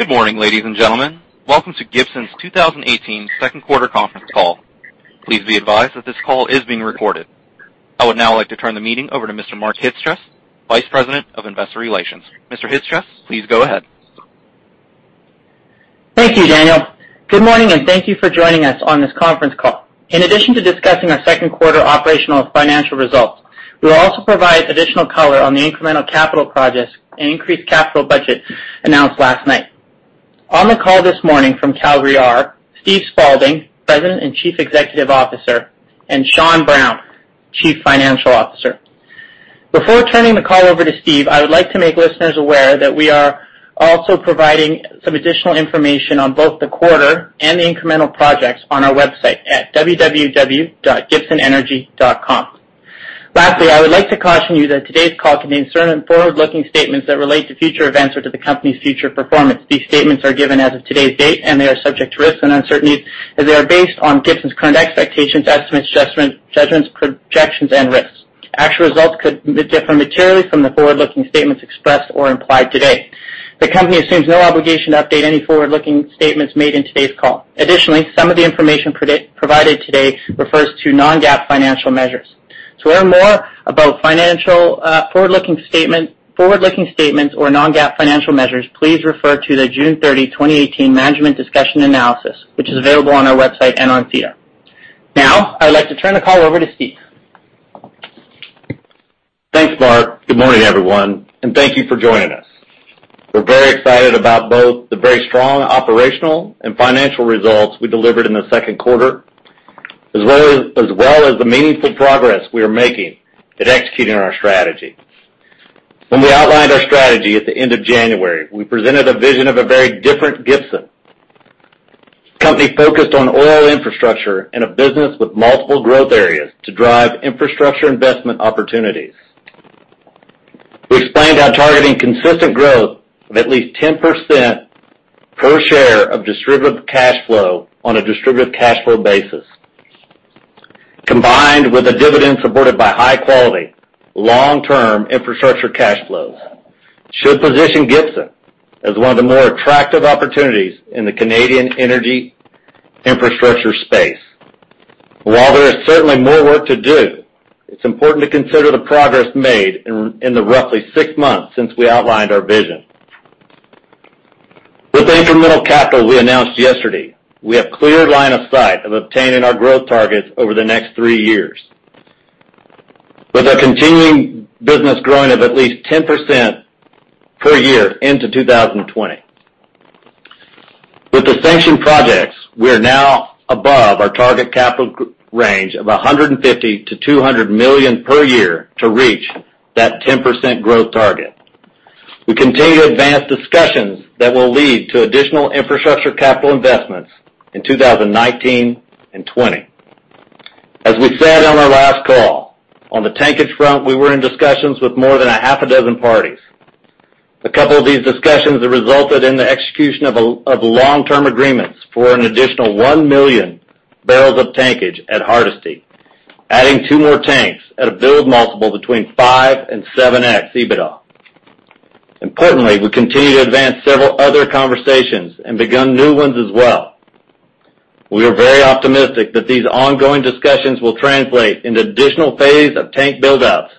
Good morning, ladies and gentlemen. Welcome to Gibson's 2018 second quarter conference call. Please be advised that this call is being recorded. I would now like to turn the meeting over to Mr. Mark Chyc-Cies, Vice President of Investor Relations. Mr. Chyc-Cies, please go ahead. Thank you, Daniel. Good morning, and thank you for joining us on this conference call. In addition to discussing our second quarter operational financial results, we will also provide additional color on the incremental capital projects and increased capital budget announced last night. On the call this morning from Calgary are Steve Spaulding, President and Chief Executive Officer, and Sean Brown, Chief Financial Officer. Before turning the call over to Steve, I would like to make listeners aware that we are also providing some additional information on both the quarter and the incremental projects on our website at www.gibsonenergy.com. I would like to caution you that today's call can contain certain forward-looking statements that relate to future events or to the company's future performance. These statements are given as of today's date, and they are subject to risks and uncertainties, as they are based on Gibson's current expectations, estimates, judgments, projections, and risks. Actual results could differ materially from the forward-looking statements expressed or implied today. The company assumes no obligation to update any forward-looking statements made in today's call. Additionally, some of the information provided today refers to non-GAAP financial measures. To learn more about forward-looking statements or non-GAAP financial measures, please refer to the June 30, 2018 management discussion analysis, which is available on our website and on SEDAR. I would like to turn the call over to Steve. Thanks, Mark. Good morning, everyone, and thank you for joining us. We're very excited about both the very strong operational and financial results we delivered in the second quarter, as well as the meaningful progress we are making at executing our strategy. When we outlined our strategy at the end of January, we presented a vision of a very different Gibson. A company focused on oil infrastructure and a business with multiple growth areas to drive infrastructure investment opportunities. We explained how targeting consistent growth of at least 10% per share of distributable cash flow on a distributable cash flow basis, combined with a dividend supported by high-quality, long-term infrastructure cash flows, should position Gibson as one of the more attractive opportunities in the Canadian energy infrastructure space. While there is certainly more work to do, it's important to consider the progress made in the roughly six months since we outlined our vision. With the incremental capital we announced yesterday, we have clear line of sight of obtaining our growth targets over the next three years, with our continuing business growing of at least 10% per year into 2020. With the sanctioned projects, we are now above our target capital range of 150 million-200 million per year to reach that 10% growth target. We continue to advance discussions that will lead to additional infrastructure capital investments in 2019 and 2020. As we said on our last call, on the tankage front, we were in discussions with more than a half a dozen parties. A couple of these discussions have resulted in the execution of long-term agreements for an additional one million barrels of tankage at Hardisty, adding two more tanks at a build multiple between 5x and 7x EBITDA. Importantly, we continue to advance several other conversations and begun new ones as well. We are very optimistic that these ongoing discussions will translate into additional phase of tank build-outs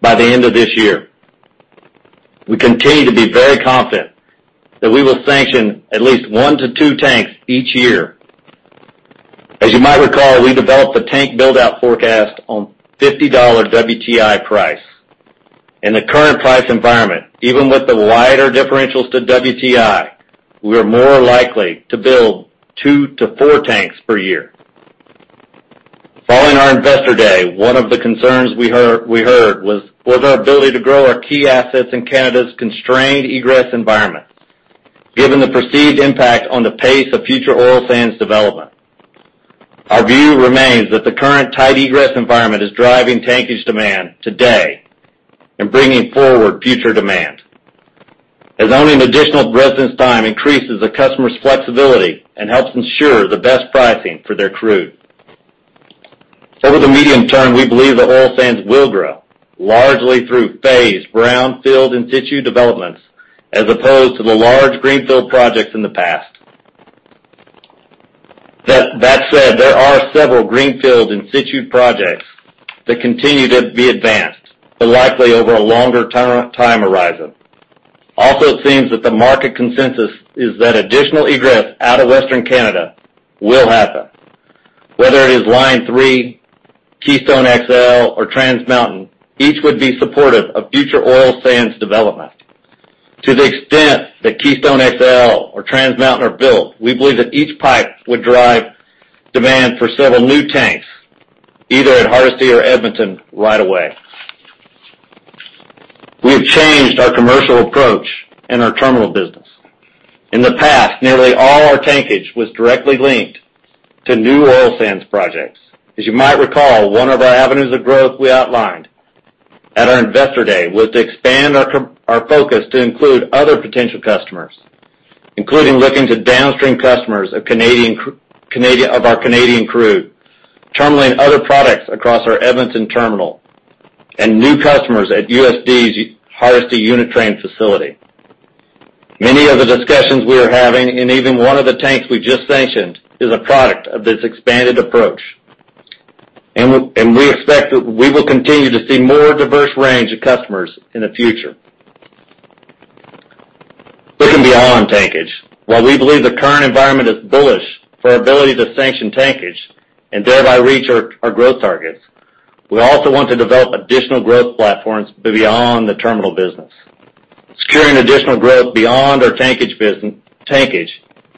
by the end of this year. We continue to be very confident that we will sanction at least one to two tanks each year. As you might recall, we developed the tank build-out forecast on $50 WTI price. In the current price environment, even with the wider differentials to WTI, we are more likely to build two to four tanks per year. Following our Investor Day, one of the concerns we heard was our ability to grow our key assets in Canada's constrained egress environment, given the perceived impact on the pace of future oil sands development. Our view remains that the current tight egress environment is driving tankage demand today and bringing forward future demand. As owning additional residence time increases the customer's flexibility and helps ensure the best pricing for their crude. Over the medium term, we believe the oil sands will grow largely through phased brownfield in situ developments as opposed to the large greenfield projects in the past. That said, there are several greenfield in situ projects that continue to be advanced, but likely over a longer time horizon. Also, it seems that the market consensus is that additional egress out of Western Canada will happen. Whether it is Line 3, Keystone XL, or Trans Mountain, each would be supportive of future oil sands development. To the extent that Keystone XL or Trans Mountain are built, we believe that each pipe would drive demand for several new tanks, either at Hardisty or Edmonton right away. We've changed our commercial approach in our terminal business. In the past, nearly all our tankage was directly linked to new oil sands projects. As you might recall, one of our avenues of growth we outlined at our Investor Day was to expand our focus to include other potential customers, including looking to downstream customers of our Canadian crude, terminaling other products across our Edmonton terminal. New customers at USD's Hardisty Unit Train facility. Many of the discussions we are having, and even one of the tanks we just sanctioned, is a product of this expanded approach. We expect that we will continue to see a more diverse range of customers in the future. Looking beyond tankage. While we believe the current environment is bullish for our ability to sanction tankage and thereby reach our growth targets, we also want to develop additional growth platforms beyond the terminal business. Securing additional growth beyond our tankage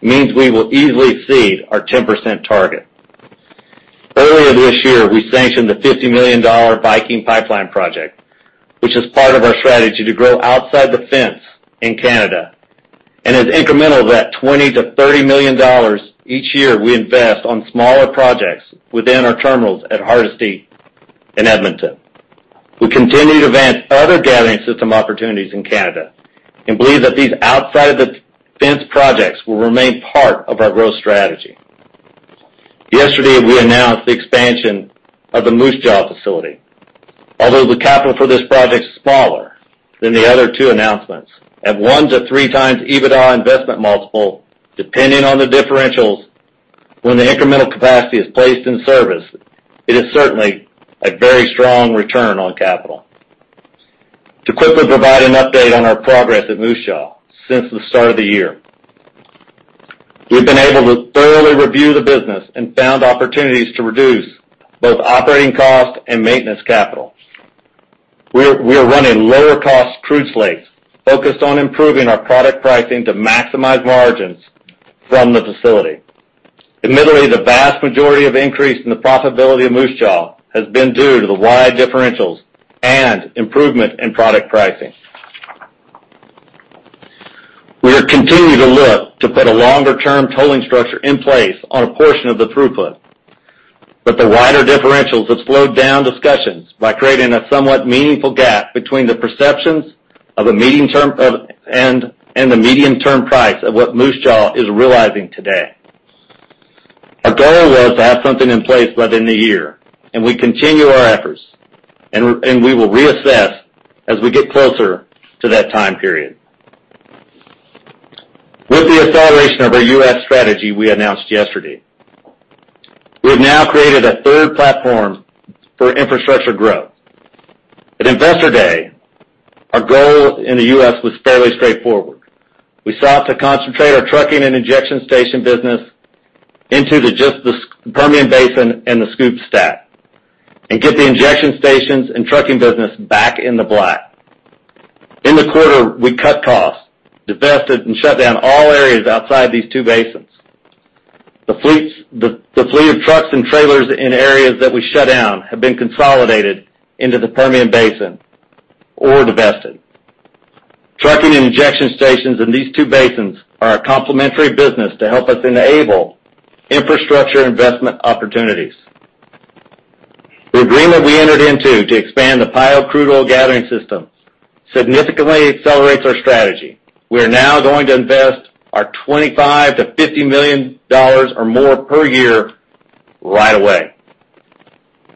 means we will easily exceed our 10% target. Earlier this year, we sanctioned a 50 million dollar Viking Pipeline project, which is part of our strategy to grow outside the fence in Canada and is incremental to that 20 million-30 million dollars each year we invest on smaller projects within our terminals at Hardisty in Edmonton. We continue to advance other gathering system opportunities in Canada and believe that these outside-the-fence projects will remain part of our growth strategy. Yesterday, we announced the expansion of the Moose Jaw facility. Although the capital for this project is smaller than the other two announcements, at 1x-3x EBITDA investment multiple, depending on the differentials when the incremental capacity is placed in service, it is certainly a very strong return on capital. To quickly provide an update on our progress at Moose Jaw since the start of the year. We've been able to thoroughly review the business and found opportunities to reduce both operating costs and maintenance capital. We are running lower-cost crude slates, focused on improving our product pricing to maximize margins from the facility. Admittedly, the vast majority of increase in the profitability of Moose Jaw has been due to the wide differentials and improvement in product pricing. We are continuing to look to put a longer-term tolling structure in place on a portion of the throughput, but the wider differentials have slowed down discussions by creating a somewhat meaningful gap between the perceptions and the medium-term price of what Moose Jaw is realizing today. Our goal was to have something in place within the year, and we continue our efforts, and we will reassess as we get closer to that time period. With the acceleration of our U.S. strategy we announced yesterday, we have now created a third platform for infrastructure growth. At Investor Day, our goal in the U.S. was fairly straightforward. We sought to concentrate our trucking and injection station business into just the Permian Basin and the SCOOP/STACK and get the injection stations and trucking business back in the black. In the quarter, we cut costs, divested and shut down all areas outside these two basins. The fleet of trucks and trailers in areas that we shut down have been consolidated into the Permian Basin or divested. Trucking and injection stations in these two basins are a complementary business to help us enable infrastructure investment opportunities. The agreement we entered into to expand the Pyote crude oil gathering system significantly accelerates our strategy. We are now going to invest our 25 million-50 million dollars or more per year right away.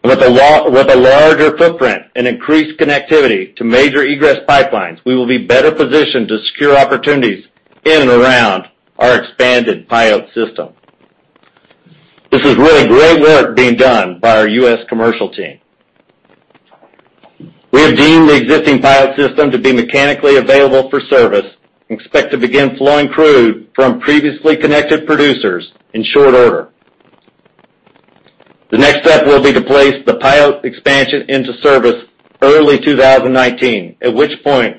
With a larger footprint and increased connectivity to major egress pipelines, we will be better positioned to secure opportunities in and around our expanded Pyote system. This is really great work being done by our U.S. commercial team. We have deemed the existing Pyote system to be mechanically available for service and expect to begin flowing crude from previously connected producers in short order. The next step will be to place the Pyote expansion into service early 2019, at which point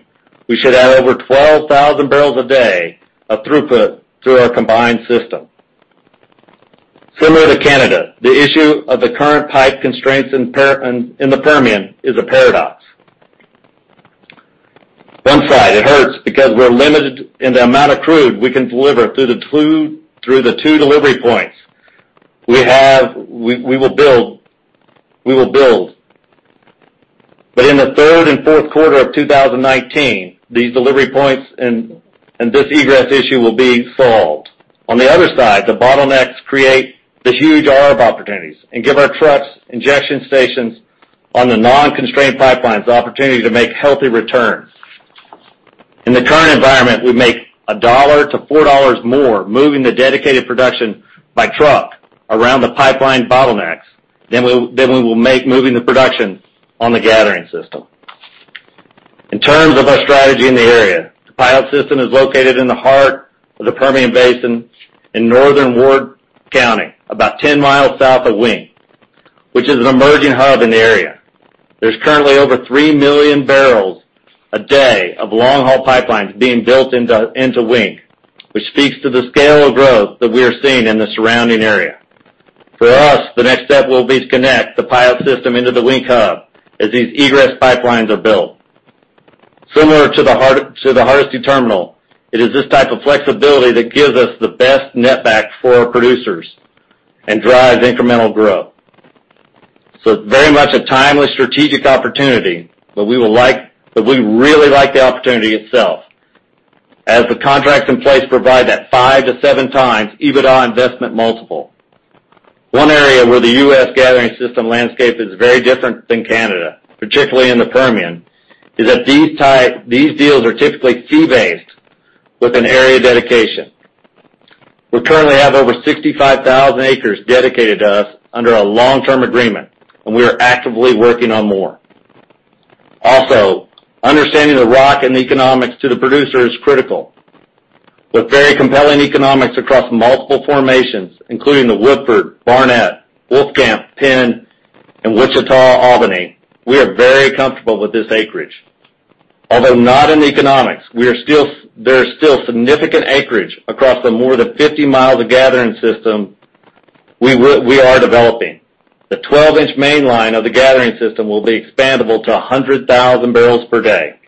we should have over 12,000 barrels a day of throughput through our combined system. Similar to Canada, the issue of the current pipe constraints in the Permian is a paradox. One side, it hurts because we're limited in the amount of crude we can deliver through the two delivery points we will build. In the third and fourth quarter of 2019, these delivery points and this egress issue will be solved. On the other side, the bottlenecks create this huge arb opportunities and give our trucks, injection stations on the non-constrained pipelines the opportunity to make healthy returns. In the current environment, we make CAD 1 to 4 dollars more moving the dedicated production by truck around the pipeline bottlenecks than we will make moving the production on the gathering system. In terms of our strategy in the area, the Pyote system is located in the heart of the Permian Basin in northern Ward County, about 10 miles south of Wink, which is an emerging hub in the area. There's currently over three million barrels a day of long-haul pipelines being built into Wink, which speaks to the scale of growth that we are seeing in the surrounding area. For us, the next step will be to connect the Pyote system into the Wink hub as these egress pipelines are built. Similar to the Hardisty Terminal, it is this type of flexibility that gives us the best net back for our producers and drives incremental growth. Very much a timely strategic opportunity, but we really like the opportunity itself as the contracts in place provide that five to seven times EBITDA investment multiple. One area where the U.S. gathering system landscape is very different than Canada, particularly in the Permian, is that these deals are typically fee-based with an area dedication. We currently have over 65,000 acres dedicated to us under a long-term agreement, and we are actively working on more. Also, understanding the rock and the economics to the producer is critical. With very compelling economics across multiple formations, including the Woodford, Barnett, Wolfcamp, Penn, and Wichita-Albany, we are very comfortable with this acreage. Although not in the economics, there is still significant acreage across the more than 50 miles of gathering system we are developing. The 12-inch main line of the gathering system will be expandable to 100,000 barrels per day.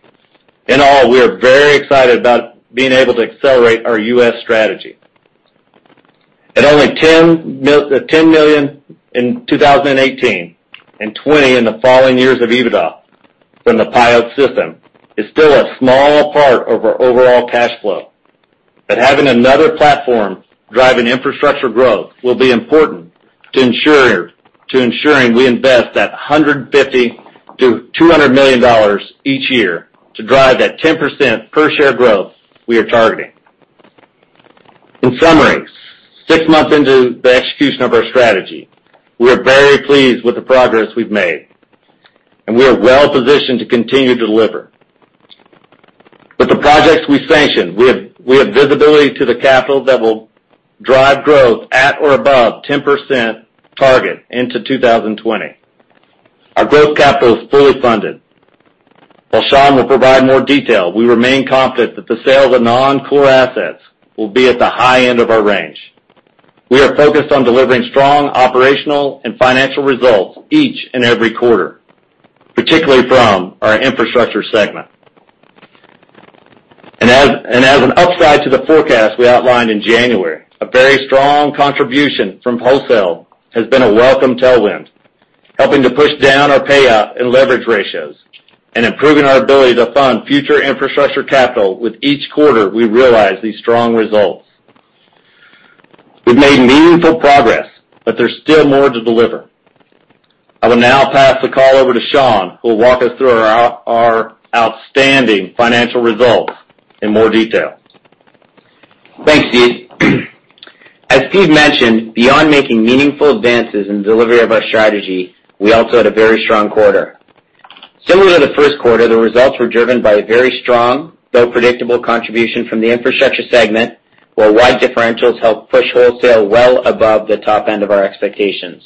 In all, we are very excited about being able to accelerate our U.S. strategy. At only 10 million in 2018 and 20 million in the following years of EBITDA from the Pyote system is still a small part of our overall cash flow, but having another platform driving infrastructure growth will be important to ensuring we invest that 150 million-200 million dollars each year to drive that 10% per share growth we are targeting. In summary, six months into the execution of our strategy, we are very pleased with the progress we've made, and we are well-positioned to continue to deliver. With the projects we sanction, we have visibility to the capital that will drive growth at or above 10% target into 2020. Our growth capital is fully funded. While Sean will provide more detail, we remain confident that the sale of the non-core assets will be at the high end of our range. We are focused on delivering strong operational and financial results each and every quarter, particularly from our infrastructure segment. As an upside to the forecast we outlined in January, a very strong contribution from wholesale has been a welcome tailwind, helping to push down our payout and leverage ratios and improving our ability to fund future infrastructure capital with each quarter we realize these strong results. We've made meaningful progress, but there's still more to deliver. I will now pass the call over to Sean, who will walk us through our outstanding financial results in more detail. Thanks, Steve. As Steve mentioned, beyond making meaningful advances in delivery of our strategy, we also had a very strong quarter. Similar to the first quarter, the results were driven by a very strong, though predictable contribution from the infrastructure segment, where wide differentials helped push wholesale well above the top end of our expectations.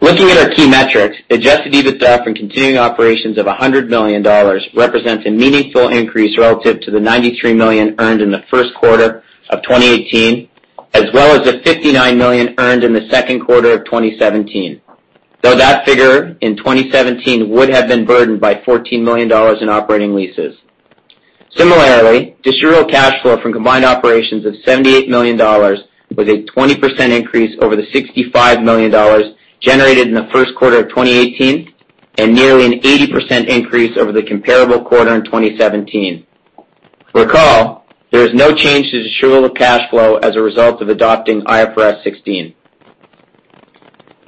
Looking at our key metrics, adjusted EBITDA from continuing operations of 100 million dollars represents a meaningful increase relative to the 93 million earned in the first quarter of 2018, as well as the 59 million earned in the second quarter of 2017, though that figure in 2017 would have been burdened by 14 million dollars in operating leases. Similarly, distributable cash flow from combined operations of 78 million dollars was a 20% increase over the 65 million dollars generated in the first quarter of 2018, and nearly an 80% increase over the comparable quarter in 2017. Recall, there is no change to distributable cash flow as a result of adopting IFRS 16.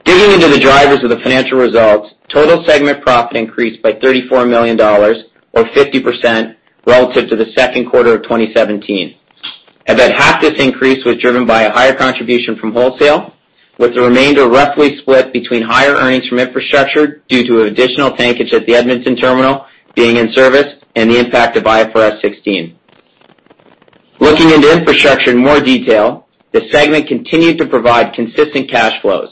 Digging into the drivers of the financial results, total segment profit increased by 34 million dollars or 50% relative to the second quarter of 2017. About half this increase was driven by a higher contribution from wholesale, with the remainder roughly split between higher earnings from infrastructure due to additional tankage at the Edmonton terminal being in service and the impact of IFRS 16. Looking into infrastructure in more detail, the segment continued to provide consistent cash flows.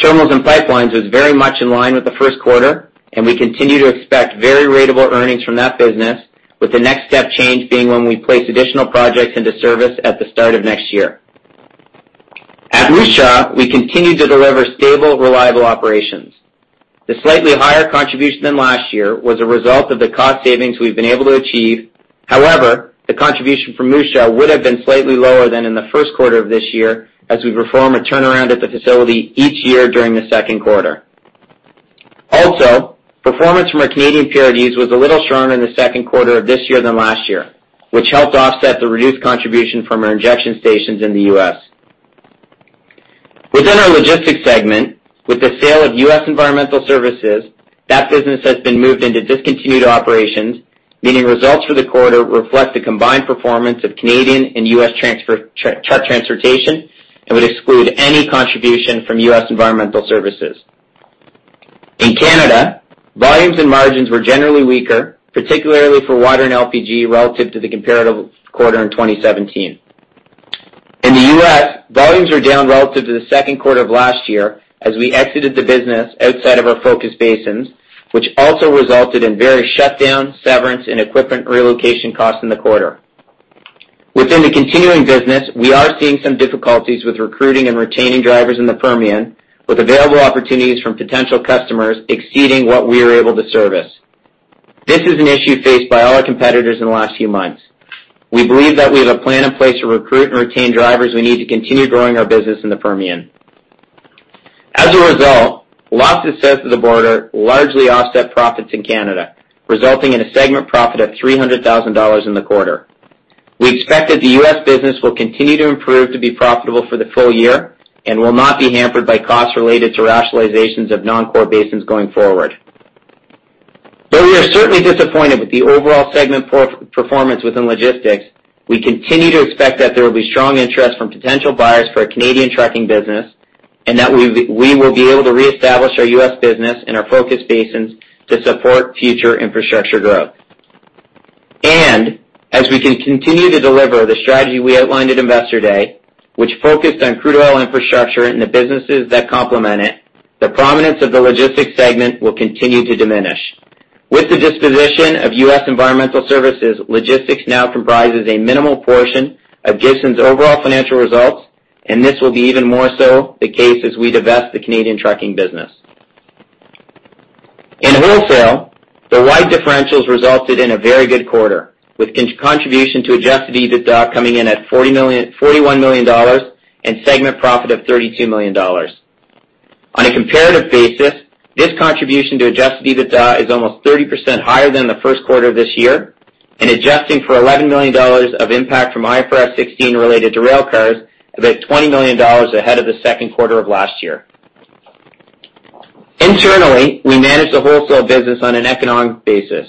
Terminals and pipelines is very much in line with the first quarter, and we continue to expect very ratable earnings from that business, with the next step change being when we place additional projects into service at the start of next year. At Moose Jaw, we continued to deliver stable, reliable operations. The slightly higher contribution than last year was a result of the cost savings we've been able to achieve. However, the contribution from Moose Jaw would have been slightly lower than in the first quarter of this year, as we perform a turnaround at the facility each year during the second quarter. Also, performance from our Canadian PRDs was a little stronger in the second quarter of this year than last year, which helped offset the reduced contribution from our injection stations in the U.S. Within our logistics segment, with the sale of U.S. Environmental Services, that business has been moved into discontinued operations, meaning results for the quarter reflect the combined performance of Canadian and U.S. truck transportation and would exclude any contribution from U.S. Environmental Services. In Canada, volumes and margins were generally weaker, particularly for water and LPG relative to the comparative quarter in 2017. In the U.S., volumes were down relative to the second quarter of last year as we exited the business outside of our focus basins, which also resulted in various shutdowns, severance, and equipment relocation costs in the quarter. Within the continuing business, we are seeing some difficulties with recruiting and retaining drivers in the Permian, with available opportunities from potential customers exceeding what we are able to service. This is an issue faced by all our competitors in the last few months. We believe that we have a plan in place to recruit and retain drivers we need to continue growing our business in the Permian. As a result, losses south of the border largely offset profits in Canada, resulting in a segment profit of 300,000 dollars in the quarter. We expect that the U.S. business will continue to improve to be profitable for the full year and will not be hampered by costs related to rationalizations of non-core basins going forward. Though we are certainly disappointed with the overall segment performance within logistics, we continue to expect that there will be strong interest from potential buyers for our Canadian trucking business, and that we will be able to reestablish our U.S. business in our focus basins to support future infrastructure growth. As we continue to deliver the strategy we outlined at Investor Day, which focused on crude oil infrastructure and the businesses that complement it, the prominence of the logistics segment will continue to diminish. With the disposition of U.S. Environmental Services, logistics now comprises a minimal portion of Gibson's overall financial results, and this will be even more so the case as we divest the Canadian trucking business. In wholesale, the wide differentials resulted in a very good quarter, with contribution to adjusted EBITDA coming in at 41 million dollars and segment profit of 32 million dollars. On a comparative basis, this contribution to adjusted EBITDA is almost 30% higher than the first quarter of this year, and adjusting for 11 million dollars of impact from IFRS 16 related to rail cars, about 20 million dollars ahead of the second quarter of last year. Internally, we manage the wholesale business on an economic basis,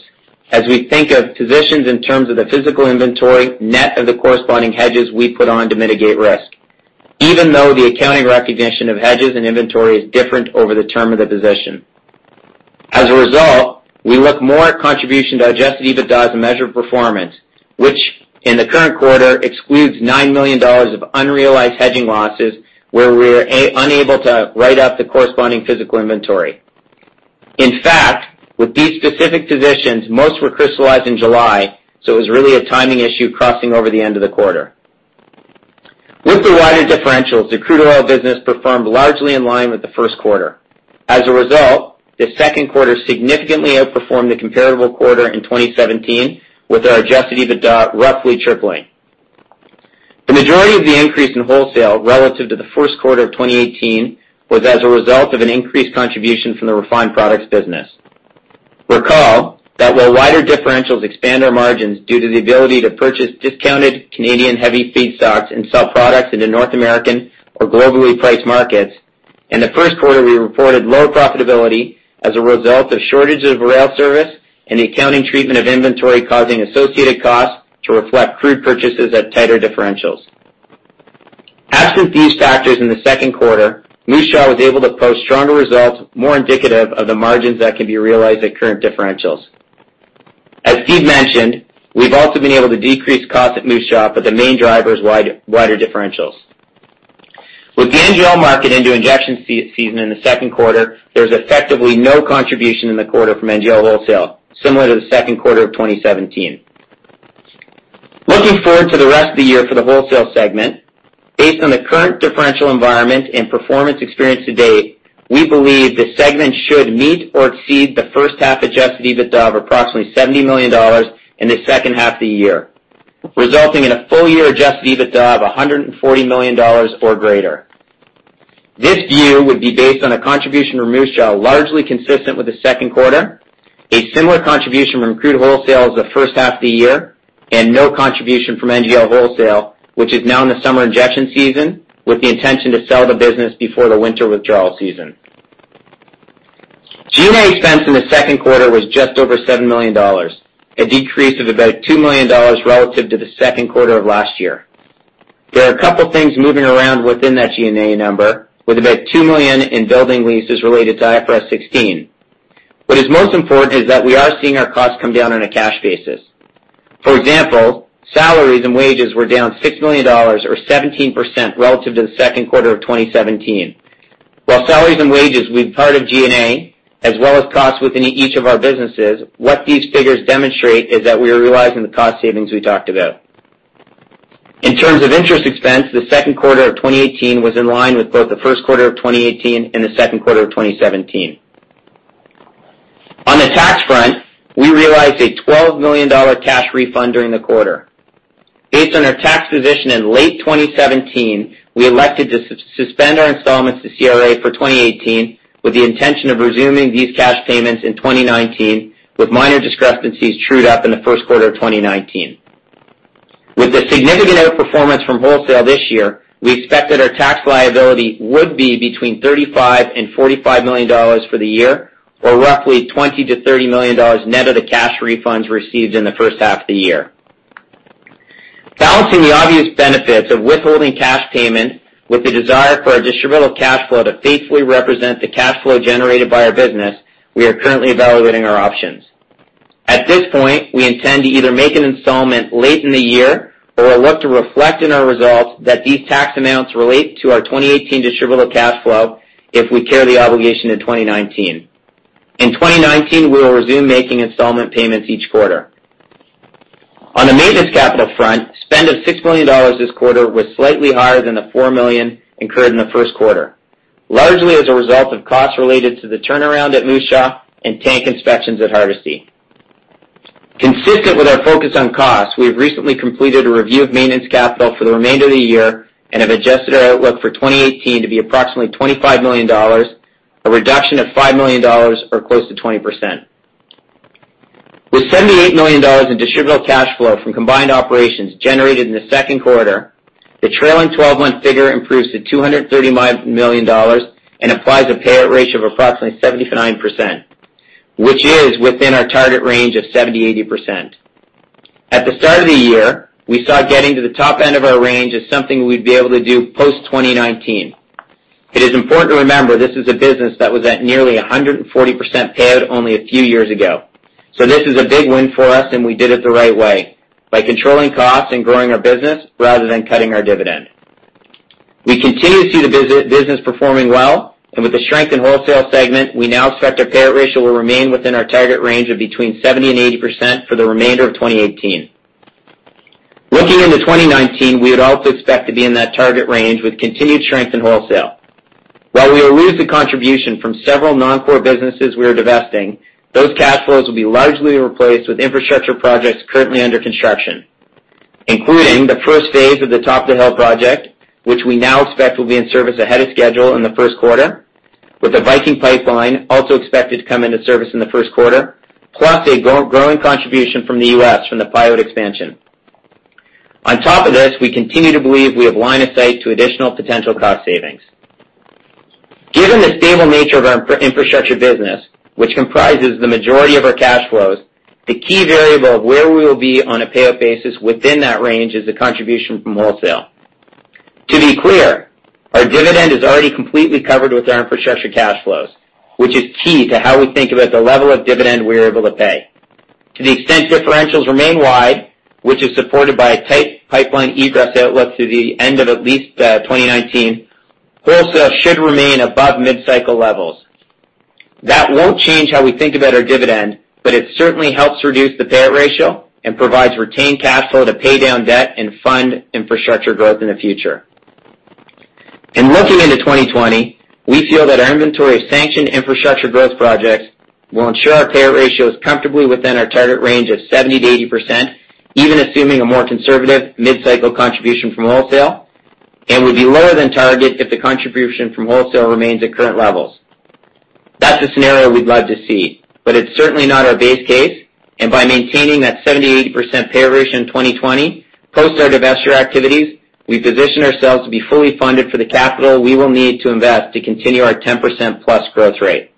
as we think of positions in terms of the physical inventory, net of the corresponding hedges we put on to mitigate risk, even though the accounting recognition of hedges and inventory is different over the term of the position. As a result, we look more at contribution to adjusted EBITDA as a measure of performance, which in the current quarter excludes 9 million dollars of unrealized hedging losses, where we are unable to write up the corresponding physical inventory. In fact, with these specific positions, most were crystallized in July, so it was really a timing issue crossing over the end of the quarter. With the wider differentials, the crude oil business performed largely in line with the first quarter. As a result, the second quarter significantly outperformed the comparable quarter in 2017, with our adjusted EBITDA roughly tripling. The majority of the increase in wholesale relative to the first quarter of 2018 was as a result of an increased contribution from the refined products business. Recall that while wider differentials expand our margins due to the ability to purchase discounted Canadian heavy feedstocks and sell products into North American or globally priced markets, in the first quarter, we reported low profitability as a result of shortages of rail service and the accounting treatment of inventory causing associated costs to reflect crude purchases at tighter differentials. Absent these factors in the second quarter, Moose Jaw was able to post stronger results, more indicative of the margins that can be realized at current differentials. As Steve mentioned, we've also been able to decrease costs at Moose Jaw, but the main driver is wider differentials. With the NGL market into injection season in the second quarter, there was effectively no contribution in the quarter from NGL Wholesale, similar to the second quarter of 2017. Looking forward to the rest of the year for the wholesale segment, based on the current differential environment and performance experienced to date, we believe the segment should meet or exceed the first half adjusted EBITDA of approximately 70 million dollars in the second half of the year, resulting in a full-year adjusted EBITDA of 140 million dollars or greater. This view would be based on a contribution from Moose Jaw largely consistent with the second quarter, a similar contribution from crude wholesale as the first half of the year, and no contribution from NGL Wholesale, which is now in the summer injection season, with the intention to sell the business before the winter withdrawal season. G&A expense in the second quarter was just over 7 million dollars, a decrease of about 2 million dollars relative to the second quarter of last year. There are a couple things moving around within that G&A number, with about 2 million in building leases related to IFRS 16. What is most important is that we are seeing our costs come down on a cash basis. For example, salaries and wages were down 6 million dollars or 17% relative to the second quarter of 2017. While salaries and wages were part of G&A, as well as costs within each of our businesses, what these figures demonstrate is that we are realizing the cost savings we talked about. In terms of interest expense, the second quarter of 2018 was in line with both the first quarter of 2018 and the second quarter of 2017. On the tax front, we realized a 12 million dollar cash refund during the quarter. Based on our tax position in late 2017, we elected to suspend our installments to CRA for 2018, with the intention of resuming these cash payments in 2019, with minor discrepancies trued up in the first quarter of 2019. With the significant outperformance from wholesale this year, we expected our tax liability would be between 35 million and 45 million dollars for the year, or roughly 20 million to 30 million dollars net of the cash refunds received in the first half of the year. Balancing the obvious benefits of withholding cash payments with the desire for our distributable cash flow to faithfully represent the cash flow generated by our business, we are currently evaluating our options. At this point, we intend to either make an installment late in the year or look to reflect in our results that these tax amounts relate to our 2018 distributable cash flow if we carry the obligation to 2019. In 2019, we will resume making installment payments each quarter. On the maintenance capital front, spend of 6 million dollars this quarter was slightly higher than the 4 million incurred in the first quarter, largely as a result of costs related to the turnaround at Moose Jaw and tank inspections at Hardisty. Consistent with our focus on cost, we have recently completed a review of maintenance capital for the remainder of the year and have adjusted our outlook for 2018 to be approximately 25 million dollars, a reduction of 5 million dollars or close to 20%. With 78 million dollars in distributable cash flow from combined operations generated in the second quarter, the trailing 12-month figure improves to 230 million dollars and applies a payout ratio of approximately 79%, which is within our target range of 70%-80%. At the start of the year, we saw getting to the top end of our range as something we'd be able to do post 2019. It is important to remember this is a business that was at nearly 140% payout only a few years ago. This is a big win for us, and we did it the right way by controlling costs and growing our business rather than cutting our dividend. We continue to see the business performing well, and with the strength in wholesale segment, we now expect our payout ratio will remain within our target range of between 70%-80% for the remainder of 2018. Looking into 2019, we would also expect to be in that target range with continued strength in wholesale. While we will lose the contribution from several non-core businesses we are divesting, those cash flows will be largely replaced with infrastructure projects currently under construction, including the first phase of the Top of the Hill project, which we now expect will be in service ahead of schedule in the first quarter, with the Viking Pipeline also expected to come into service in the first quarter, plus a growing contribution from the U.S. from the Pyote expansion. On top of this, we continue to believe we have line of sight to additional potential cost savings. Given the stable nature of our infrastructure business, which comprises the majority of our cash flows, the key variable of where we will be on a payout basis within that range is the contribution from wholesale. To be clear, our dividend is already completely covered with our infrastructure cash flows, which is key to how we think about the level of dividend we are able to pay. To the extent differentials remain wide, which is supported by a tight pipeline egress outlook to the end of at least 2019, wholesale should remain above mid-cycle levels. That won't change how we think about our dividend, but it certainly helps reduce the payout ratio and provides retained cash flow to pay down debt and fund infrastructure growth in the future. Looking into 2020, we feel that our inventory of sanctioned infrastructure growth projects will ensure our payout ratio is comfortably within our target range of 70%-80%, even assuming a more conservative mid-cycle contribution from wholesale and would be lower than target if the contribution from wholesale remains at current levels. That's a scenario we'd love to see, but it's certainly not our base case. By maintaining that 70%-80% payout ratio in 2020 post our divestiture activities, we position ourselves to be fully funded for the capital we will need to invest to continue our 10%+ growth rate.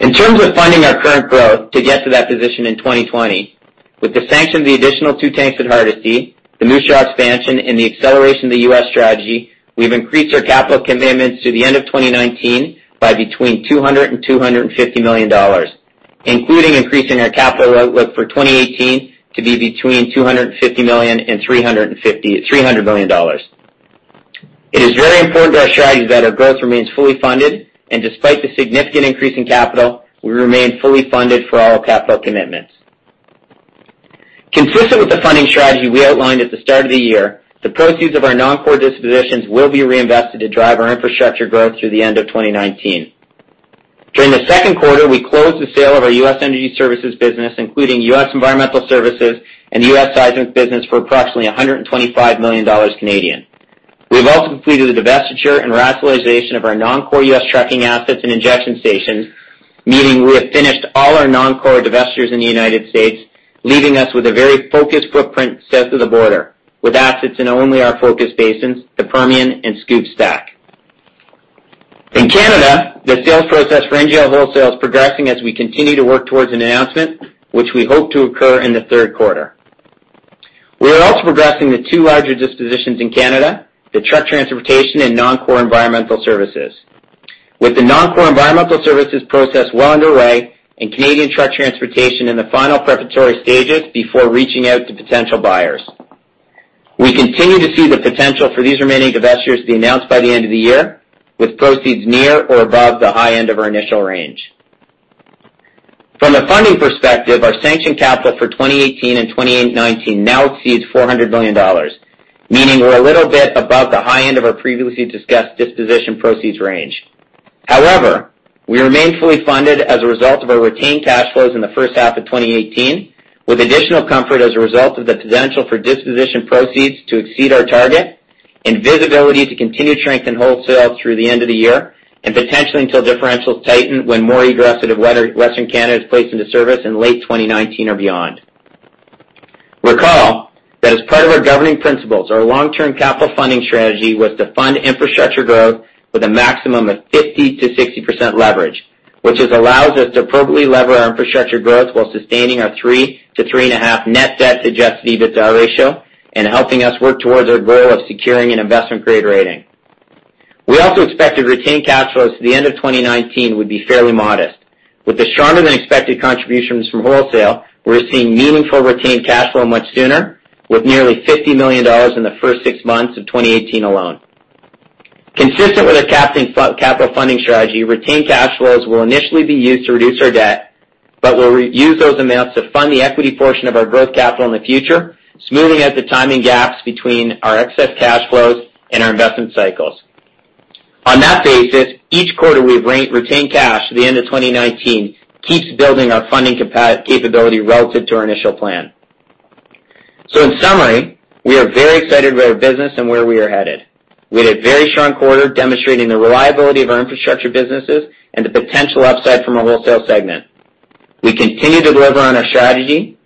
In terms of funding our current growth to get to that position in 2020, with the sanction of the additional two tanks at Hardisty, the Moose Jaw expansion, and the acceleration of the U.S. strategy, we've increased our capital commitments to the end of 2019 by between 200 million dollars and 250 million dollars, including increasing our capital outlook for 2018 to be between 250 million and 300 million dollars. It is very important to our strategy that our growth remains fully funded. Despite the significant increase in capital, we remain fully funded for all capital commitments. Consistent with the funding strategy we outlined at the start of the year, the proceeds of our non-core dispositions will be reinvested to drive our infrastructure growth through the end of 2019. During the second quarter, we closed the sale of our U.S. Energy Services business, including U.S. Environmental Services and U.S. Seismic business, for approximately 125 million Canadian dollars. We have also completed the divestiture and rationalization of our non-core U.S. trucking assets and injection stations, meaning we have finished all our non-core divestitures in the United States, leaving us with a very focused footprint south of the border with assets in only our focus basins, the Permian and SCOOP/STACK. In Canada, the sales process for NGL Wholesale is progressing as we continue to work towards an announcement which we hope to occur in the third quarter. We are also progressing the two larger dispositions in Canada, the truck transportation and non-core environmental services, with the non-core environmental services process well underway and Canadian truck transportation in the final preparatory stages before reaching out to potential buyers. We continue to see the potential for these remaining divestitures to be announced by the end of the year with proceeds near or above the high end of our initial range. From a funding perspective, our sanction capital for 2018 and 2019 now exceeds 400 million dollars, meaning we're a little bit above the high end of our previously discussed disposition proceeds range. We remain fully funded as a result of our retained cash flows in the first half of 2018, with additional comfort as a result of the potential for disposition proceeds to exceed our target and visibility to continue to strengthen wholesale through the end of the year and potentially until differentials tighten when more egress out of Western Canada is placed into service in late 2019 or beyond. Recall that as part of our governing principles, our long-term capital funding strategy was to fund infrastructure growth with a maximum of 50%-60% leverage, which has allowed us to appropriately lever our infrastructure growth while sustaining our 3 to 3.5 net debt to adjusted EBITDA ratio and helping us work towards our goal of securing an investment-grade rating. We also expected retained cash flows to the end of 2019 would be fairly modest. With the stronger-than-expected contributions from Wholesale, we're seeing meaningful retained cash flow much sooner, with nearly 50 million dollars in the first six months of 2018 alone. Consistent with our capital funding strategy, retained cash flows will initially be used to reduce our debt, but we'll reuse those amounts to fund the equity portion of our growth capital in the future, smoothing out the timing gaps between our excess cash flows and our investment cycles. On that basis, each quarter we've retained cash through the end of 2019 keeps building our funding capability relative to our initial plan. In summary, we are very excited about our business and where we are headed. We had a very strong quarter demonstrating the reliability of our infrastructure businesses and the potential upside from our Wholesale segment. We continue to deliver on our strategy.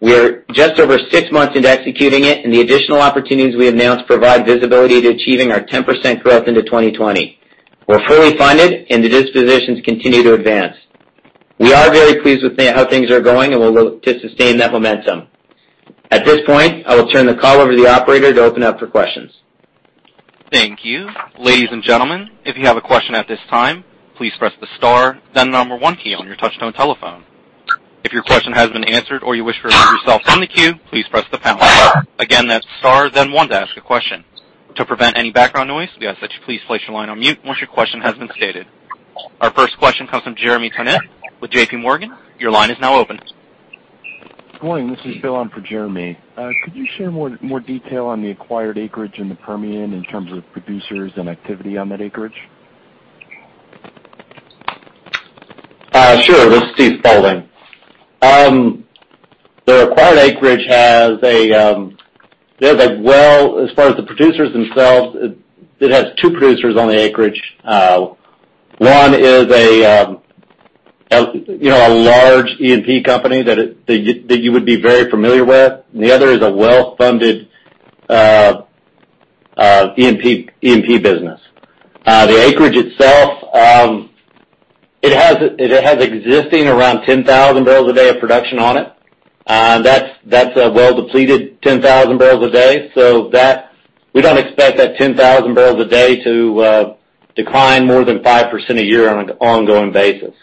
We're just over six months into executing it, the additional opportunities we have announced provide visibility to achieving our 10% growth into 2020. We're fully funded, the dispositions continue to advance. We are very pleased with how things are going, and we'll look to sustain that momentum. At this point, I will turn the call over to the operator to open up for questions. Thank you. Ladies and gentlemen, if you have a question at this time, please press the star then the number 1 key on your touch-tone telephone. If your question has been answered or you wish to remove yourself from the queue, please press the pound key. Again, that's star then 1 to ask a question. To prevent any background noise, we ask that you please place your line on mute once your question has been stated. Our first question comes from Jeremy Tonet with J.P. Morgan. Your line is now open. Good morning. This is Phil in for Jeremy. Could you share more detail on the acquired acreage in the Permian in terms of producers and activity on that acreage? Sure. This is Steve Spaulding. The acquired acreage has a well, as far as the producers themselves, it has two producers on the acreage. One is a large E&P company that you would be very familiar with, and the other is a well-funded E&P business. The acreage itself, it has existing around 10,000 barrels a day of production on it. That's a well-depleted 10,000 barrels a day. We don't expect that 10,000 barrels a day to decline more than 5% a year on an ongoing basis.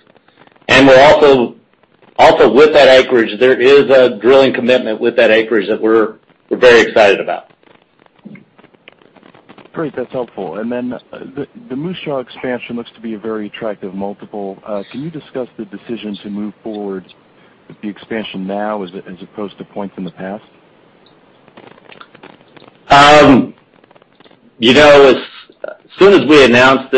Also with that acreage, there is a drilling commitment with that acreage that we're very excited about. Great. That's helpful. Then the Moose Jaw expansion looks to be a very attractive multiple. Can you discuss the decision to move forward with the expansion now as opposed to points in the past? As soon as we announced